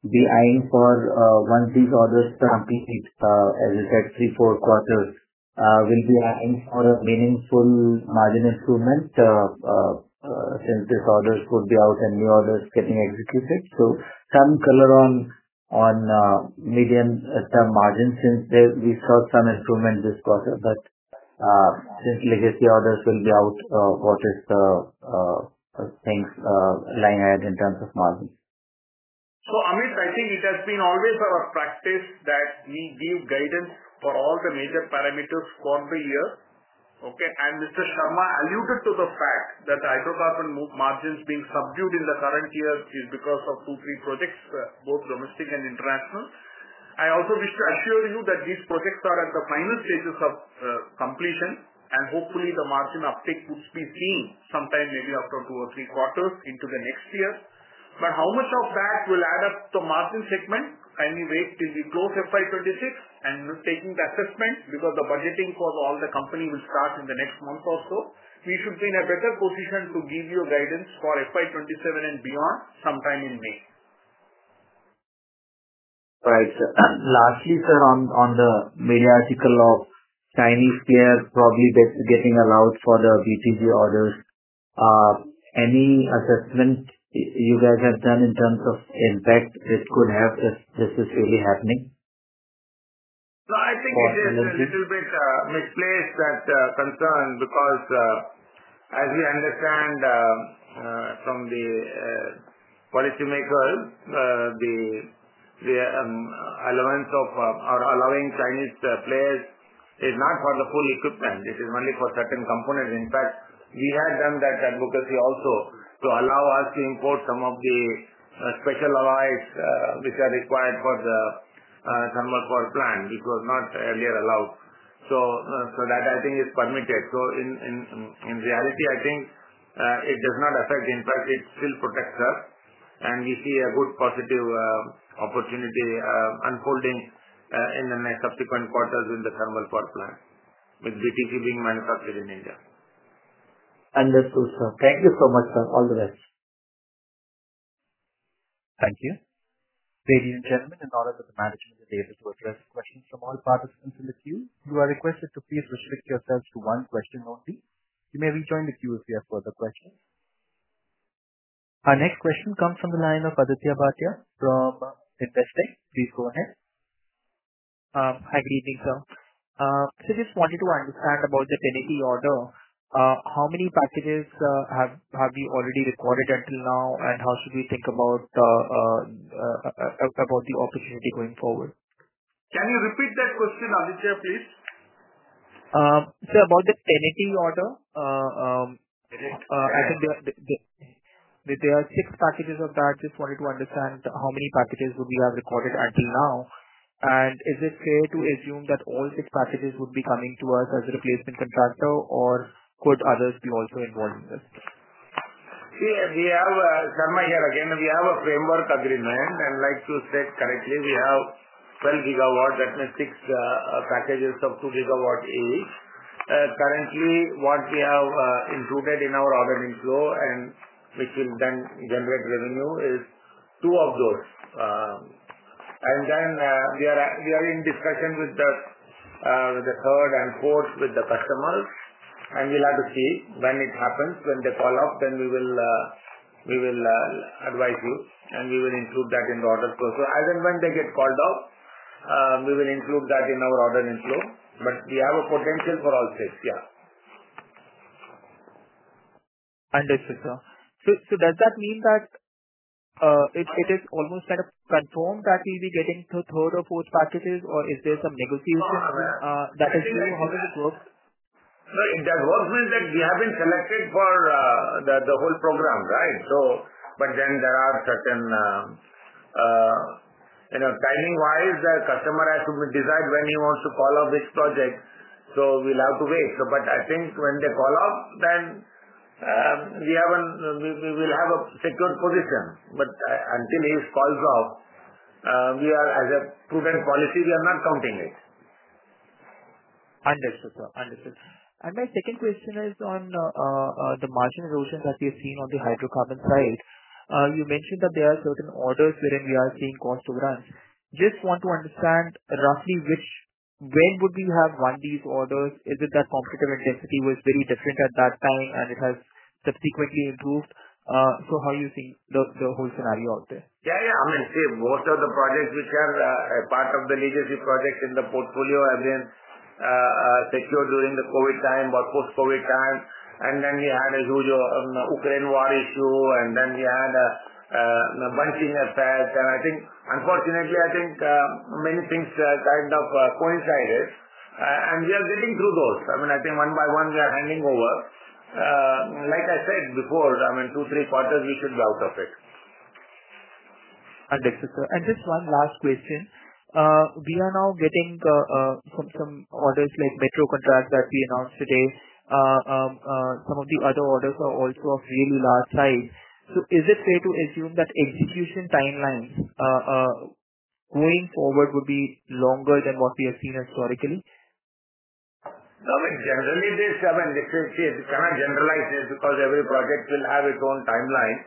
be eyeing for, once these orders complete, as you said, 3-4 quarters, we'll be eyeing for a meaningful margin improvement, since these orders could be out and new orders getting executed. So some color on medium term margins, since we saw some improvement this quarter, but, since legacy orders will be out, what is the things lying ahead in terms of margins? So, Amit, I think it has been always our practice that we give guidance for all the major parameters for the year, okay? And Mr. Sarma alluded to the fact that the hydrocarbon margins being subdued in the current year is because of two, three projects, both domestic and international. I also wish to assure you that these projects are at the final stages of completion, and hopefully, the margin uptake would be seen sometime maybe after two or three quarters into the next year. But how much of that will add up to margin segment? Kindly wait till we close FY 2026, and we're taking the assessment because the budgeting for all the company will start in the next month or so. We should be in a better position to give you a guidance for FY 2027 and beyond sometime in May. Right, sir. Lastly, sir, on the media article of Chinese players probably getting allowed for the BTG orders, any assessment you guys have done in terms of impact this could have, if this is really happening? So, I think it is- Or relevant. A little bit misplaced, that concern, because as we understand from the policymakers, the allowance of or allowing Chinese players is not for the full equipment; it is only for certain components. In fact, we had done that advocacy also to allow us to import some of the special alloys which are required for the thermal power plant, which was not earlier allowed. So, that I think is permitted. So in reality, I think it does not affect; in fact, it still protects us, and we see a good positive opportunity unfolding in the next subsequent quarters in the thermal power plant with BTG being manufactured in India. Understood, sir. Thank you so much, sir. All the best. Thank you. Ladies and gentlemen and all of the management are able to address questions from all participants in the queue. You are requested to please restrict yourselves to one question only. You may re-join the queue if you have further questions. Our next question comes from the line of Aditya Bhatia from Investec. Please go ahead. Hi, good evening, sir. So just wanted to understand about the TenneT order. How many packages have you already recorded until now, and how should we think about the opportunity going forward? Can you repeat that question, Aditya, please? Sir, about the TenneT order, Correct. I think there are six packages of that. Just wanted to understand how many packages would you have recorded until now, and is it fair to assume that all six packages would be coming to us as a replacement contractor, or could others be also involved in this? See, we have, Sharma here again, and we have a framework agreement. I'd like to state correctly, we have 12 gigawatt, that means 6, packages of 2 gigawatt each. Currently, what we have, included in our order inflow, and which will then generate revenue, is 2 of those. And then, we are in discussion with the, with the third and fourth, with the customers, and we'll have to see when it happens. When they call off, then we will, we will, advise you, and we will include that in the order flow. So as and when they get called off, we will include that in our order inflow. But we have a potential for all 6, yeah. Understood, sir. So, does that mean that it is almost kind of confirmed that we'll be getting to third or fourth packages, or is there some negotiation- No. That is, how does it work? No, the development that we have been selected for, the whole program, right? So, but then there are certain, you know, timing-wise, the customer has to decide when he wants to call off this project, so we'll have to wait. So, but I think when they call off, then, we'll have a secured position. But until he calls off, we are, as a proven policy, we are not counting it. Understood, sir. Understood. My second question is on the margin erosion that we've seen on the hydrocarbon side. You mentioned that there are certain orders wherein we are seeing cost to run. Just want to understand roughly, when would we have won these orders? Is it that competitive intensity was very different at that time and it has subsequently improved? So how you see the whole scenario out there? Yeah, yeah. I mean, see, most of the projects which are a part of the legacy project in the portfolio against secured during the Covid time or post-Covid time, and then we had a huge Ukraine war issue, and then we had a bunching effect. And I think, unfortunately, I think many things kind of coincided. And we are getting through those. I mean, I think one by one, we are handing over. Like I said before, I mean, two, three quarters, we should be out of it.... Understood, sir. Just one last question. We are now getting some orders like metro contracts that we announced today. Some of the other orders are also of really large size. So is it fair to assume that execution timelines going forward will be longer than what we have seen historically? No, in general, this, in this case, you cannot generalize this because every project will have its own timeline.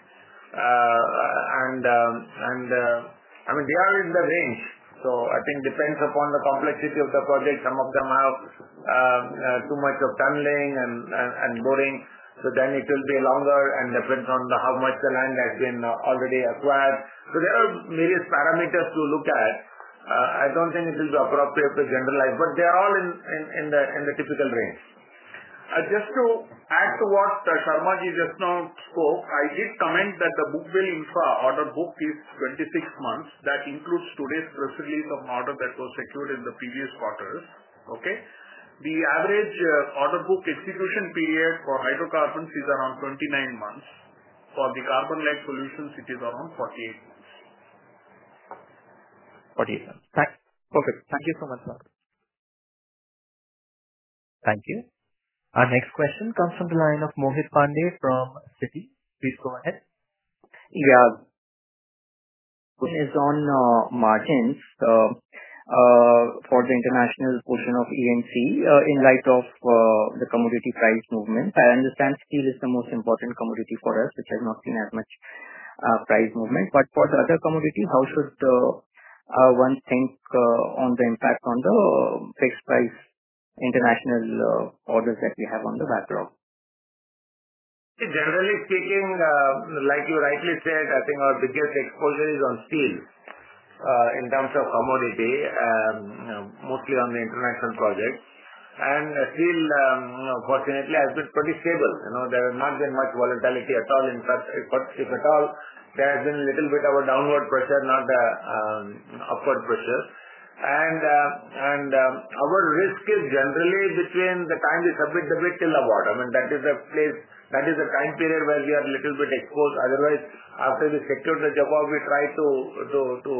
I mean, they are in the range, so I think depends upon the complexity of the project. Some of them have too much of tunneling and boring, so then it will be longer, and depends on the how much the land has been already acquired. So there are various parameters to look at. I don't think it is appropriate to generalize, but they are all in the typical range. Just to add to what Sarmaji just now spoke, I did comment that the Bhubaneswar infra order book is 26 months. That in cludes today's release of order that was secured in the previous quarters, okay? The average order book execution period for hydrocarbons is around 29 months. For the carbon light solutions, it is around 48 months. 48 months. Okay. Thank you so much, sir. Thank you. Our next question comes from the line of Mohit Pandey from Citi. Please go ahead. Yeah. Question is on margins. For the international portion of E&C, in light of the commodity price movement. I understand steel is the most important commodity for us, which has not seen as much price movement. But for the other commodity, how should one think on the impact on the fixed price international orders that we have on the backlog? Generally speaking, like you rightly said, I think our biggest exposure is on steel, in terms of commodity, mostly on the international projects. And steel, fortunately, has been pretty stable. You know, there has not been much volatility at all in fact, but if at all, there has been little bit of a downward pressure, not the, upward pressure. And, our risk is generally between the time we submit the bid till award. I mean, that is the time period where we are little bit exposed. Otherwise, after we secured the job, we try to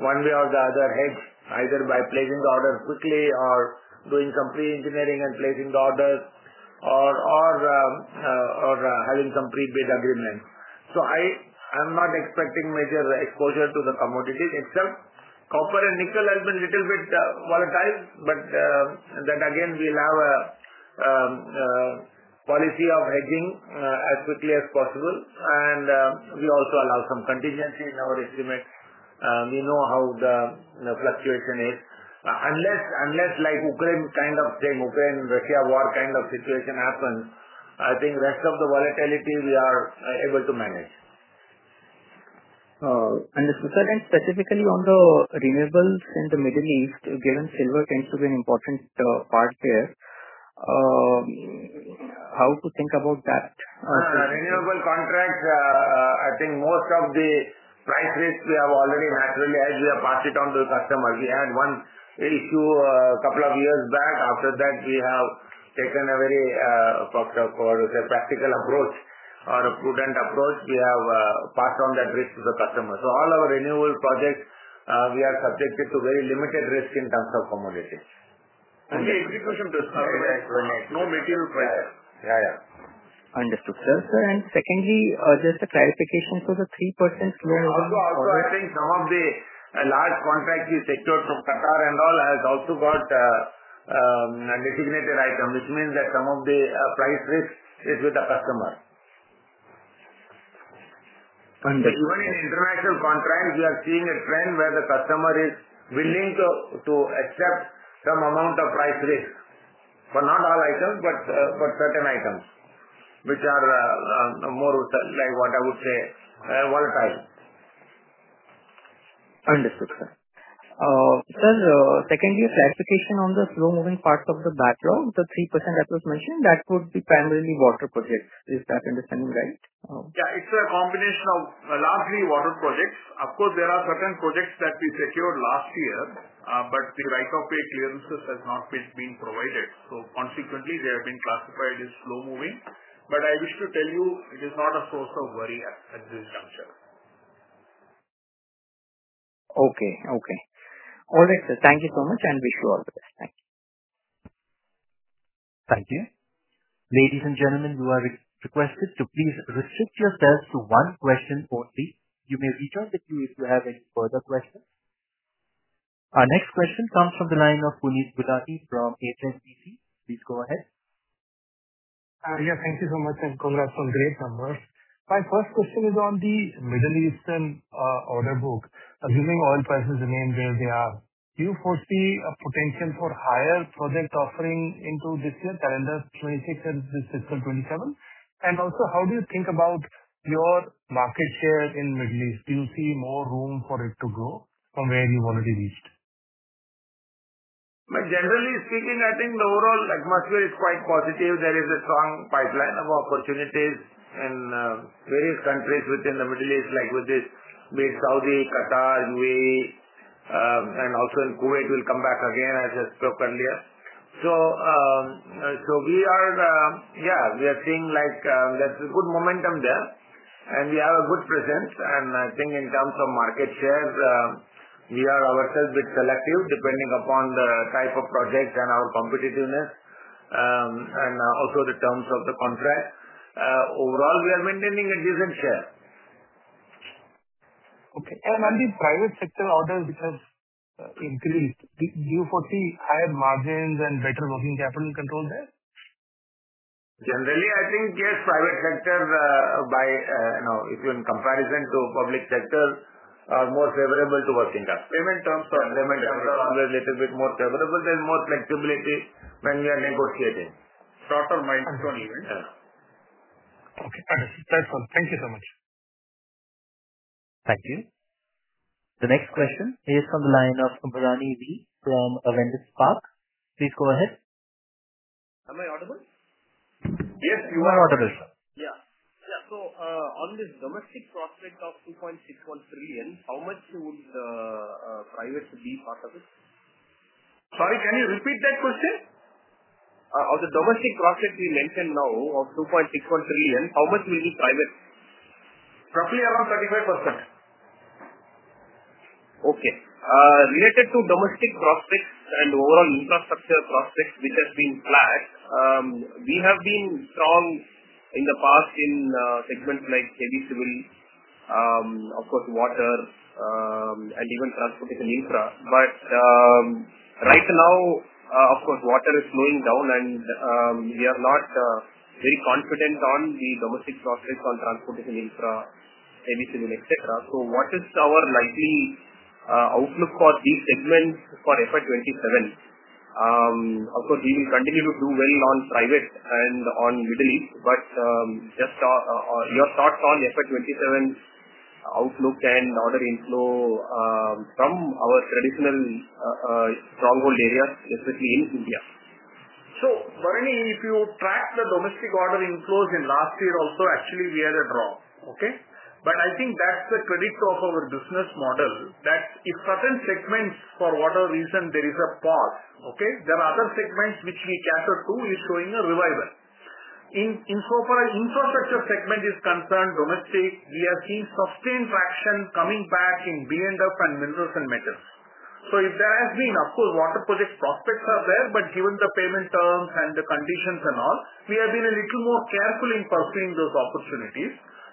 one way or the other, hedge, either by placing the order quickly or doing some pre-engineering and placing the orders, or, having some pre-bid agreements. So I, I'm not expecting major exposure to the commodity itself. Copper and nickel has been little bit volatile, but then again, we'll have a policy of hedging as quickly as possible. We also allow some contingency in our estimate. We know how the fluctuation is. Unless like Ukraine kind of thing, Ukraine-Russia war kind of situation happens, I think rest of the volatility we are able to manage. Understood, sir. And specifically on the renewables in the Middle East, given silver tends to be an important part there, how to think about that? Renewable contracts, I think most of the price risk we have already naturally hedged or passed it on to the customer. We had one issue, couple of years back. After that, we have taken a very practical approach or a prudent approach. We have passed on that risk to the customer. So all our renewable projects, we are subjected to very limited risk in terms of commodities. The execution does not have any material price. Yeah, yeah. Understood, sir. Sir, and secondly, just a clarification for the 3% slow moving- Also, I think some of the large contracts we secured from Qatar and all has also got a designated item, which means that some of the price risk is with the customer. Understood. Even in international contracts, we are seeing a trend where the customer is willing to accept some amount of price risk, for not all items, but certain items, which are more, like what I would say, volatile. Understood, sir. Sir, secondly, clarification on the slow moving parts of the backlog, the 3% that was mentioned, that would be primarily water projects. Is that understanding right? Yeah, it's a combination of largely water projects. Of course, there are certain projects that we secured last year, but the right of way clearances has not been provided. So consequently, they have been classified as slow moving. But I wish to tell you, it is not a source of worry at this juncture. Okay. Okay. All right, sir. Thank you so much, and wish you all the best. Thank you. Thank you. Ladies and gentlemen, you are re-requested to please restrict yourselves to one question only. You may rejoin the queue if you have any further questions. Our next question comes from the line of Puneet Gulati from HSBC. Please go ahead. Yeah, thank you so much, and congrats on great numbers. My first question is on the Middle Eastern order book. Assuming oil prices remain where they are, do you foresee a potential for higher project offering into this year, calendar 2026 and fiscal 2027? And also, how do you think about your market share in Middle East? Do you see more room for it to grow from where you've already reached? But generally speaking, I think the overall atmosphere is quite positive. There is a strong pipeline of opportunities in various countries within the Middle East, like with the, the Saudi, Qatar-... and also in Kuwait, we'll come back again, as I spoke earlier. So, so we are, yeah, we are seeing like, there's a good momentum there, and we have a good presence. And I think in terms of market shares, we are ourselves bit selective, depending upon the type of projects and our competitiveness, and also the terms of the contract. Overall, we are maintaining a decent share. Okay. On the private sector orders, which has increased, do you foresee higher margins and better working capital control there? Generally, I think, yes, private sector, by, you know, if you in comparison to public sector, are more favorable to working terms. Payment terms- Yeah. Payment terms are little bit more favorable, there's more flexibility when we are negotiating. Top of mind only. Yeah. Okay, understood. That's all. Thank you so much. Thank you. The next question is from the line of Barani V from Avendus Capital. Please go ahead. Am I audible? Yes, you are audible, sir. Yeah. Yeah, so, on this domestic prospect of 2.61 trillion, how much would private be part of it? Sorry, can you repeat that question? Of the domestic prospects we mentioned now, of 2.61 trillion, how much will be private? Roughly around 35%. Okay. Related to domestic prospects and overall infrastructure prospects, which has been flat, we have been strong in the past in segments like heavy civil, of course, water, and even transportation infra. But right now, of course, water is slowing down, and we are not very confident on the domestic prospects on transportation infra, heavy civil, et cetera. So what is our likely outlook for these segments for FY 2027? Of course, we will continue to do well on private and on utility, but just your thoughts on FY 2027 outlook and order inflow from our traditional stronghold areas, specifically in India. So, Barani, if you track the domestic order inflows in last year also, actually we had a drop. Okay? But I think that's the credit of our business model, that if certain segments for whatever reason, there is a pause, okay, there are other segments which we cater to, is showing a revival. Insofar as infrastructure segment is concerned, domestic, we have seen sustained traction coming back in B&F and minerals and metals. So if there has been... Of course, water project prospects are there, but given the payment terms and the conditions and all, we have been a little more careful in pursuing those opportunities.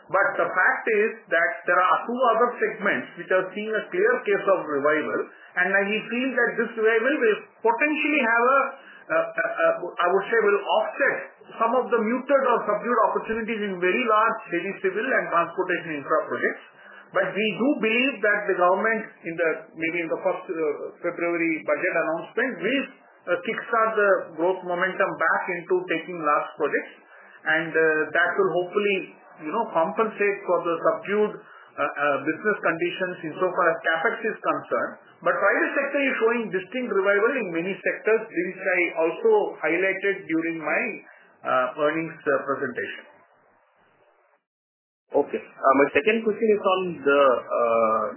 But the fact is that there are two other segments which have seen a clear case of revival, and I feel that this revival will potentially have a, I would say, will offset some of the muted or subdued opportunities in very large, heavy, civil and transportation infra projects. But we do believe that the government, maybe in the first February budget announcement, will kickstart the growth momentum back into taking large projects, and that will hopefully, you know, compensate for the subdued business conditions in so far as CapEx is concerned. But private sector is showing distinct revival in many sectors, which I also highlighted during my earnings presentation. Okay. My second question is on the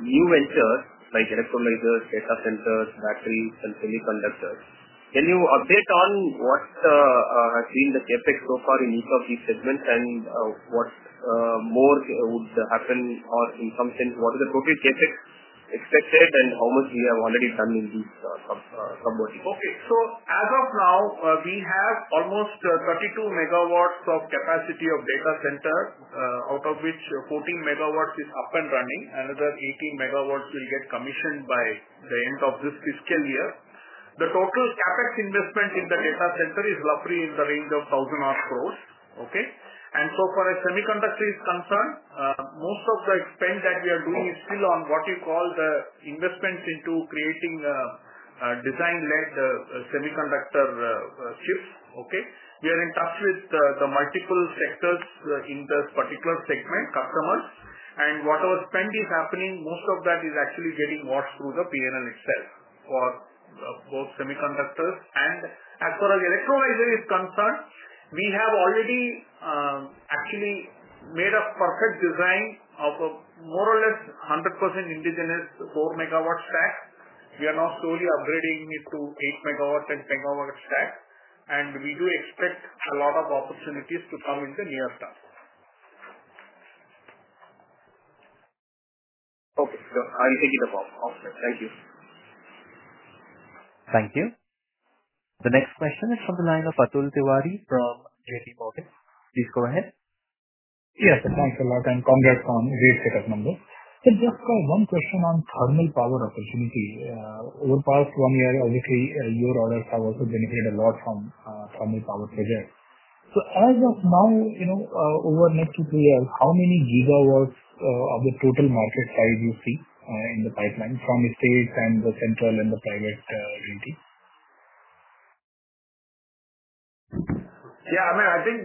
new ventures like electrolyzers, data centers, batteries, and semiconductors. Can you update on what has been the CapEx so far in each of these segments, and what more would happen, or in some sense, what is the total CapEx expected, and how much we have already done in these commodities? Okay. So as of now, we have almost 32 MW of capacity of data center, out of which 14 MW is up and running. Another 18 MW will get commissioned by the end of this fiscal year. The total CapEx investment in the data center- Okay. - is roughly in the range of 1,000 crore. Okay? And so far as semiconductor is concerned, most of the spend that we are doing is still on what you call the investments into creating, a design-led, semiconductor, chips. Okay? We are in touch with the multiple sectors, in this particular segment, customers. And whatever spend is happening, most of that is actually getting washed through the P&L itself for both semiconductors. And as far as electrolyzer is concerned, we have already actually made a perfect design of a more or less 100% indigenous 4 MW stack. We are now slowly upgrading it to 8 MW and 10 MW stack, and we do expect a lot of opportunities to come in the near term. Okay. So I take it on board. Okay, thank you. Thank you. The next question is from the line of Atul Tiwari from JPMorgan. Please go ahead. Yes, thanks a lot, and congrats on great set of numbers. So just one question on thermal power opportunity. Over past one year, obviously, your orders have also benefited a lot from thermal power sector. So as of now, you know, over next two, three years, how many gigawatts of the total market size you see in the pipeline from the states and the central and the private entity? Yeah, I mean, I think.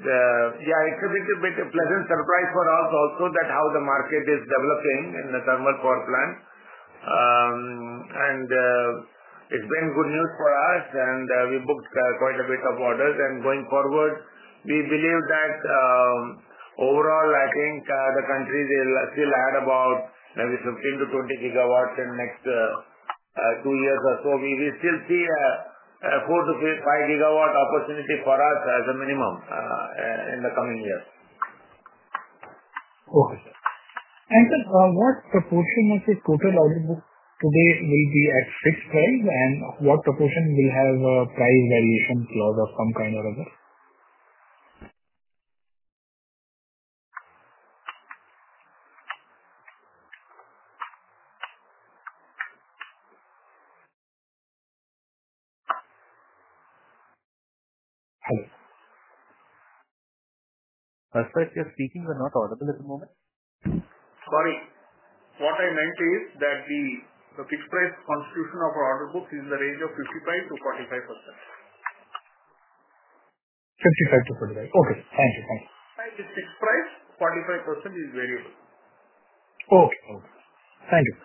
Yeah, it's a bit of a pleasant surprise for us also that how the market is developing in the thermal power plant.... and, it's been good news for us, and we booked quite a bit of orders. Going forward, we believe that, overall, I think, the country will still add about maybe 15-20 GW in next two years or so. We will still see a 4-5 GW opportunity for us as a minimum, in the coming years. Okay. And sir, what proportion of the total order book today will be at fixed price, and what proportion will have a price variation clause of some kind or other? Hello. Sir, you're speaking or not audible at the moment. Sorry. What I meant is that the fixed price constitution of our order book is in the range of 55%-45%. 55 to 45. Okay, thank you, thank you. The fixed price, 45% is variable. Okay, okay. Thank you.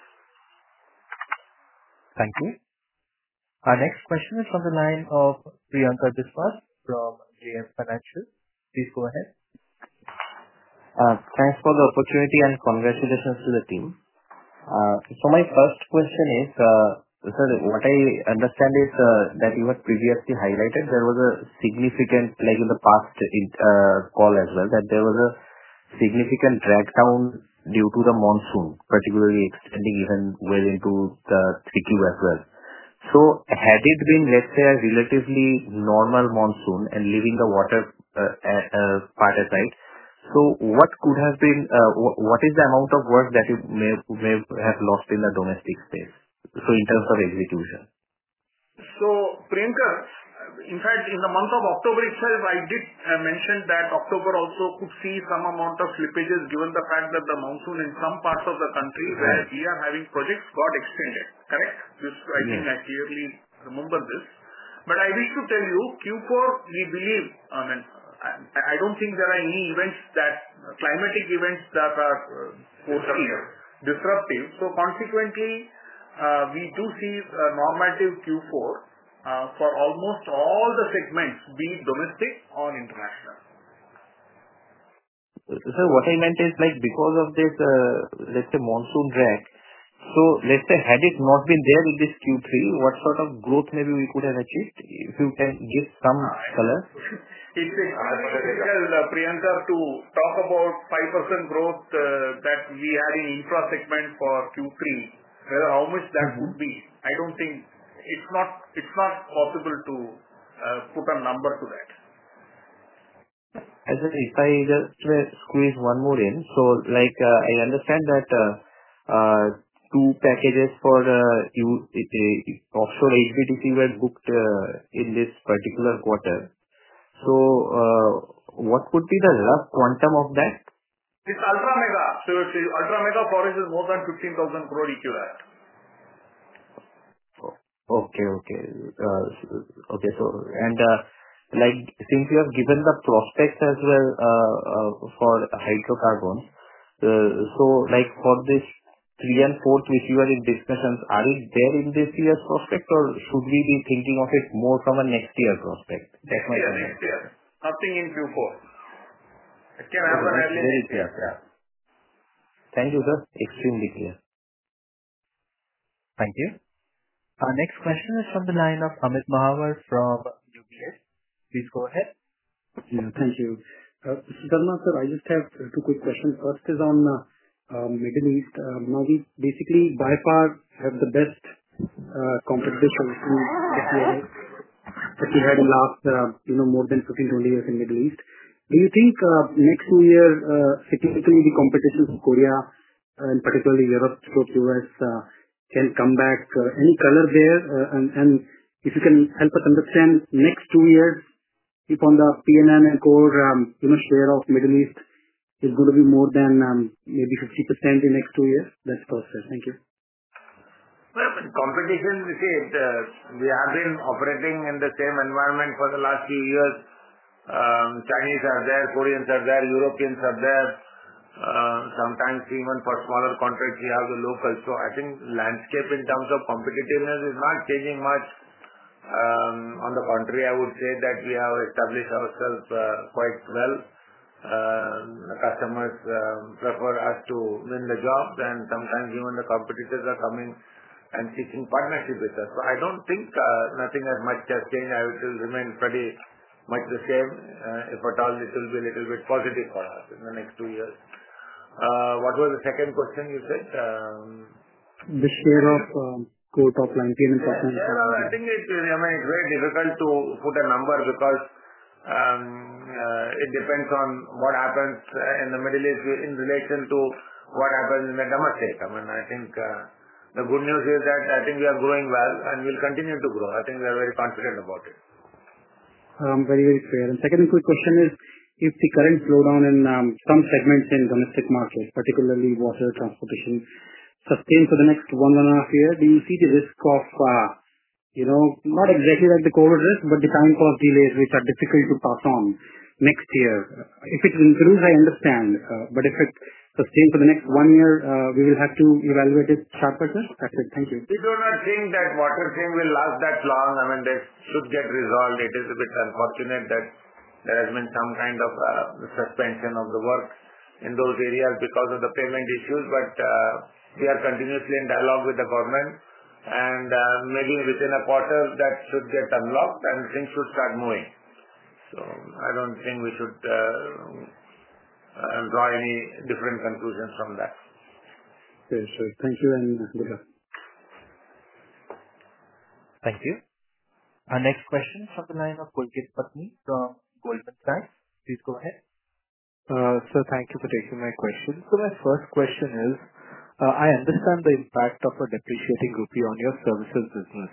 Thank you. Our next question is from the line of Priyankar Biswas from JM Financial. Please go ahead. Thanks for the opportunity and congratulations to the team. My first question is, what I understand is that you had previously highlighted there was a significant, like in the past call as well, that there was a significant drag down due to the monsoon, particularly extending even well into the Q3 as well. Had it been, let's say, a relatively normal monsoon and leaving the water a part aside, what could have been the amount of work that you may have lost in the domestic space, so in terms of execution? Priyanka, in fact, in the month of October itself, I did mention that October also could see some amount of slippages, given the fact that the monsoon in some parts of the country- Right. Where we are having projects got extended. Correct? This I think I clearly remember this. But I wish to tell you, Q4, we believe, I mean, I don't think there are any events that... climatic events that are Disruptive. disruptive. So consequently, we do see a normative Q4 for almost all the segments, be it domestic or international. What I meant is, like, because of this, let's say, monsoon drag, so let's say had it not been there in this Q3, what sort of growth maybe we could have achieved? If you can give some color. It's difficult, Priyanka, to talk about 5% growth that we had in infra segment for Q3. How much that would be? I don't think, it's not, it's not possible to put a number to that. And then if I just squeeze one more in. So like, I understand that two packages for a offshore HVDC were booked in this particular quarter. So, what could be the rough quantum of that? It's ultra mega. So the ultra mega project is more than INR 15,000 crore EQR. Okay, okay. Okay, so, like, since you have given the prospects as well, for hydrocarbon, so like for this 3 and 4 which you are in discussions, are it there in this year's prospect, or should we be thinking of it more from a next year prospect? That's my- Yeah, next year. Nothing in Q4. Very clear, yeah. Thank you, sir. Extremely clear. Thank you. Our next question is from the line of Amit Mahawar from UBS. Please go ahead. Yeah, thank you. So sir, I just have two quick questions. First is on Middle East. Now we basically, by far, have the best competition in that we had in last, you know, more than 15, 20 years in Middle East. Do you think next two years, significantly, the competitions of Korea and particularly Europe or U.S. can come back? Any color there? And if you can help us understand next two years, if on the PNM core, you know, share of Middle East is gonna be more than maybe 50% in next two years? That's perfect. Thank you. Well, competition, you see, we have been operating in the same environment for the last few years. Chinese are there, Koreans are there, Europeans are there. Sometimes even for smaller contracts, we have the locals. So I think landscape in terms of competitiveness is not changing much. On the contrary, I would say that we have established ourselves quite well. The customers prefer us to win the jobs, and sometimes even the competitors are coming and seeking partnership with us. So I don't think nothing as much has changed. I will still remain pretty much the same. If at all, it will be a little bit positive for us in the next two years. What was the second question you said? The share of, quote of 19%. Yeah. I think it will remain very difficult to put a number because it depends on what happens in the Middle East in relation to what happens in the domestic. I mean, I think the good news is that I think we are growing well and we'll continue to grow. I think we are very confident about it. Very, very fair. Second quick question is, if the current slowdown in some segments in domestic markets, particularly water transportation, sustain for the next 1.5 year, do you see the risk of... You know, not exactly like the COVID risk, but the time for delays which are difficult to pass on next year. If it improves, I understand, but if it's the same for the next one year, we will have to evaluate it sharply? That's it. Thank you. We do not think that water frame will last that long. I mean, this should get resolved. It is a bit unfortunate that there has been some kind of suspension of the work in those areas because of the payment issues, but we are continuously in dialogue with the government, and maybe within a quarter that should get unlocked and things should start moving. So I don't think we should draw any different conclusions from that. Okay, sure. Thank you very much. Thank you. Our next question from the line of Pulkit Patni from Goldman Sachs. Please go ahead. Sir, thank you for taking my question. So my first question is, I understand the impact of a depreciating rupee on your services business.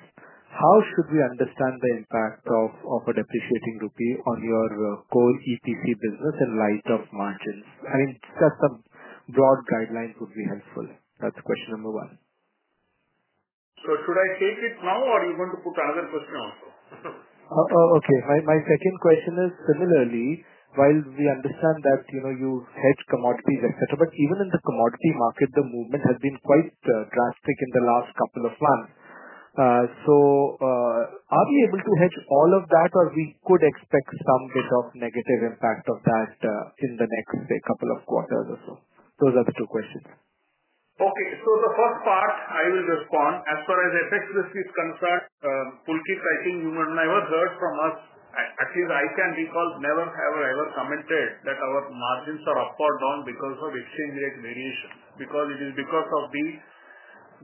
How should we understand the impact of a depreciating rupee on your core EPC business in light of margins? I mean, just some broad guidelines would be helpful. That's question number one. Should I take it now or you're going to put another question also? Oh, okay. My second question is, similarly, while we understand that, you know, you hedge commodities, et cetera, but even in the commodity market, the movement has been quite drastic in the last couple of months. So, are we able to hedge all of that, or we could expect some bit of negative impact of that in the next, say, couple of quarters or so? Those are the two questions. Okay. So the first part I will respond. As far as FX risk is concerned, Pulkit, I think you would never heard from us, at least I can recall, never have I ever commented that our margins are up or down because of exchange rate variations. Because it is because of the,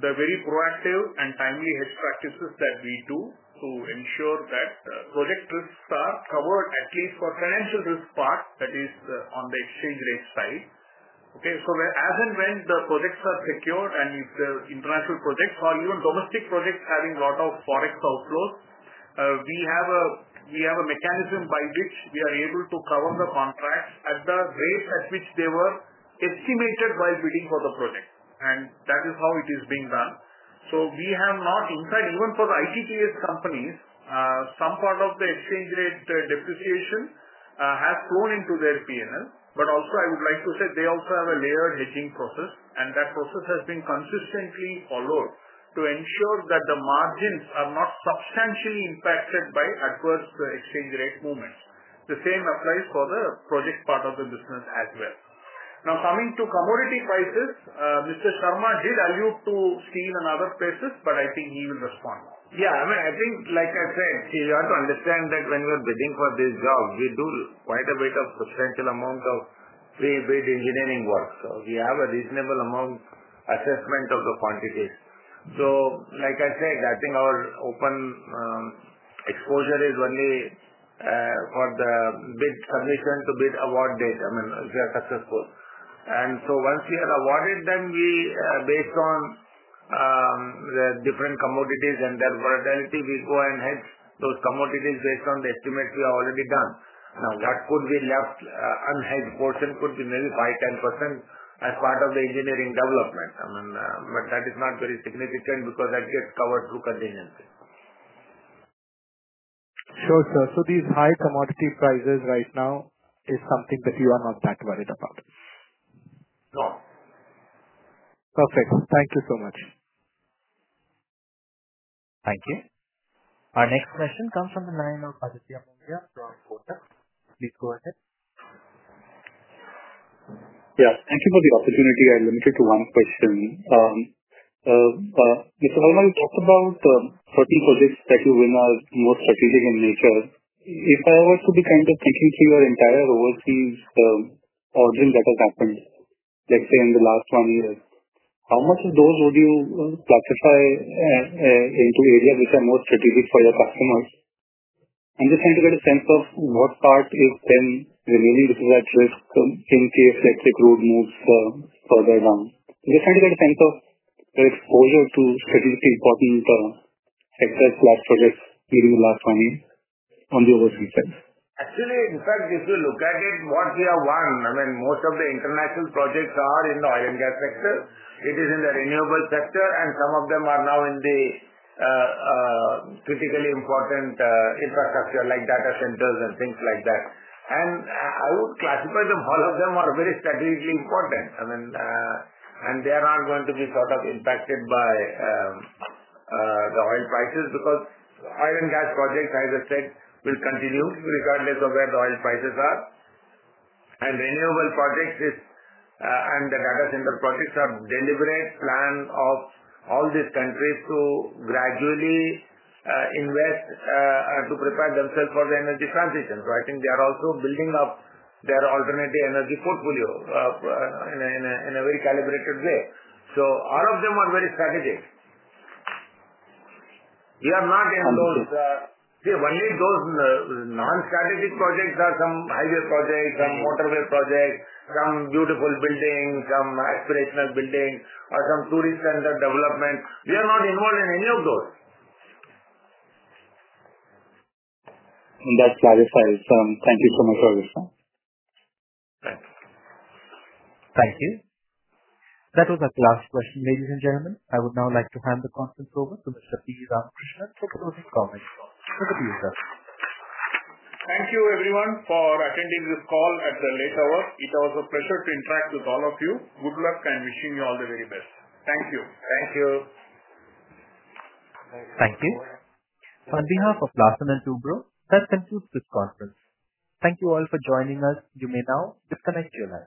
the very proactive and timely hedge practices that we do to ensure that project risks are covered, at least for financial risk part, that is, on the exchange rate side. Okay, so whereas and when the projects are secured and if the international projects or even domestic projects having a lot of Forex outflows, we have a mechanism by which we are able to cover the contracts at the rates at which they were estimated while bidding for the project, and that is how it is being done. So we have noticed even for the LTTS companies, some part of the exchange rate depreciation has flowed into their P&L. But also I would like to say they also have a layered hedging process, and that process has been consistently followed to ensure that the margins are not substantially impacted by adverse exchange rate movements. The same applies for the project part of the business as well. Now, coming to commodity prices, Mr. Sarma did allude to steel and other places, but I think he will respond. Yeah, I mean, I think like I said, you have to understand that when we are bidding for this job, we do quite a bit of substantial amount of pre-bid engineering work, so we have a reasonable amount assessment of the quantities. So like I said, I think our open exposure is only for the bid submission to bid award date, I mean, if we are successful. And so once we are awarded, then we, based on the different commodities and their volatility, we go and hedge those commodities based on the estimates we have already done. That could be left unhedged portion could be maybe 5%-10% as part of the engineering development. I mean, but that is not very significant because that gets covered through contingency. Sure, sir. So these high commodity prices right now is something that you are not that worried about? No. Perfect. Thank you so much. Thank you. Our next question comes from the line of Aditya Monga from Kotak Securities. Please go ahead. Yeah, thank you for the opportunity. I limit it to one question. Mr. Sarma, you talked about certain projects that you win are more strategic in nature. If I were to be kind of thinking through your entire overseas ordering that has happened, let's say in the last one year, how much of those would you classify into areas which are more strategic for your customers? I'm just trying to get a sense of what part is then remaining at risk in case electric road moves further down. Just trying to get a sense of the exposure to strategically important EPC large projects during last time on the overseas side. Actually, in fact, if you look at it, what we have won, I mean, most of the international projects are in the oil and gas sector. It is in the renewable sector, and some of them are now in the critically important infrastructure like data centers and things like that. And I, I would classify them, all of them are very strategically important. I mean, and they are not going to be sort of impacted by the oil prices, because oil and gas projects, as I said, will continue regardless of where the oil prices are. And renewable projects is, and the data center projects are deliberate plan of all these countries to gradually invest to prepare themselves for the energy transition. So I think they are also building up their alternative energy portfolio in a very calibrated way. So all of them are very strategic. We are not in those... Yeah, only those non-strategic projects are some highway projects- Mm. some motorway projects, some beautiful buildings, some aspirational buildings or some tourist center developments. We are not involved in any of those. That clarifies. Thank you so much for your time. Thank you. Thank you. That was our last question, ladies and gentlemen. I would now like to hand the conference over to Mr. P. Ramakrishnan for closing comments. Over to you, sir. Thank you everyone for attending this call at the late hour. It was a pleasure to interact with all of you. Good luck, and wishing you all the very best. Thank you. Thank you. Thank you. On behalf of Larsen & Toubro, that concludes this conference. Thank you all for joining us. You may now disconnect your line.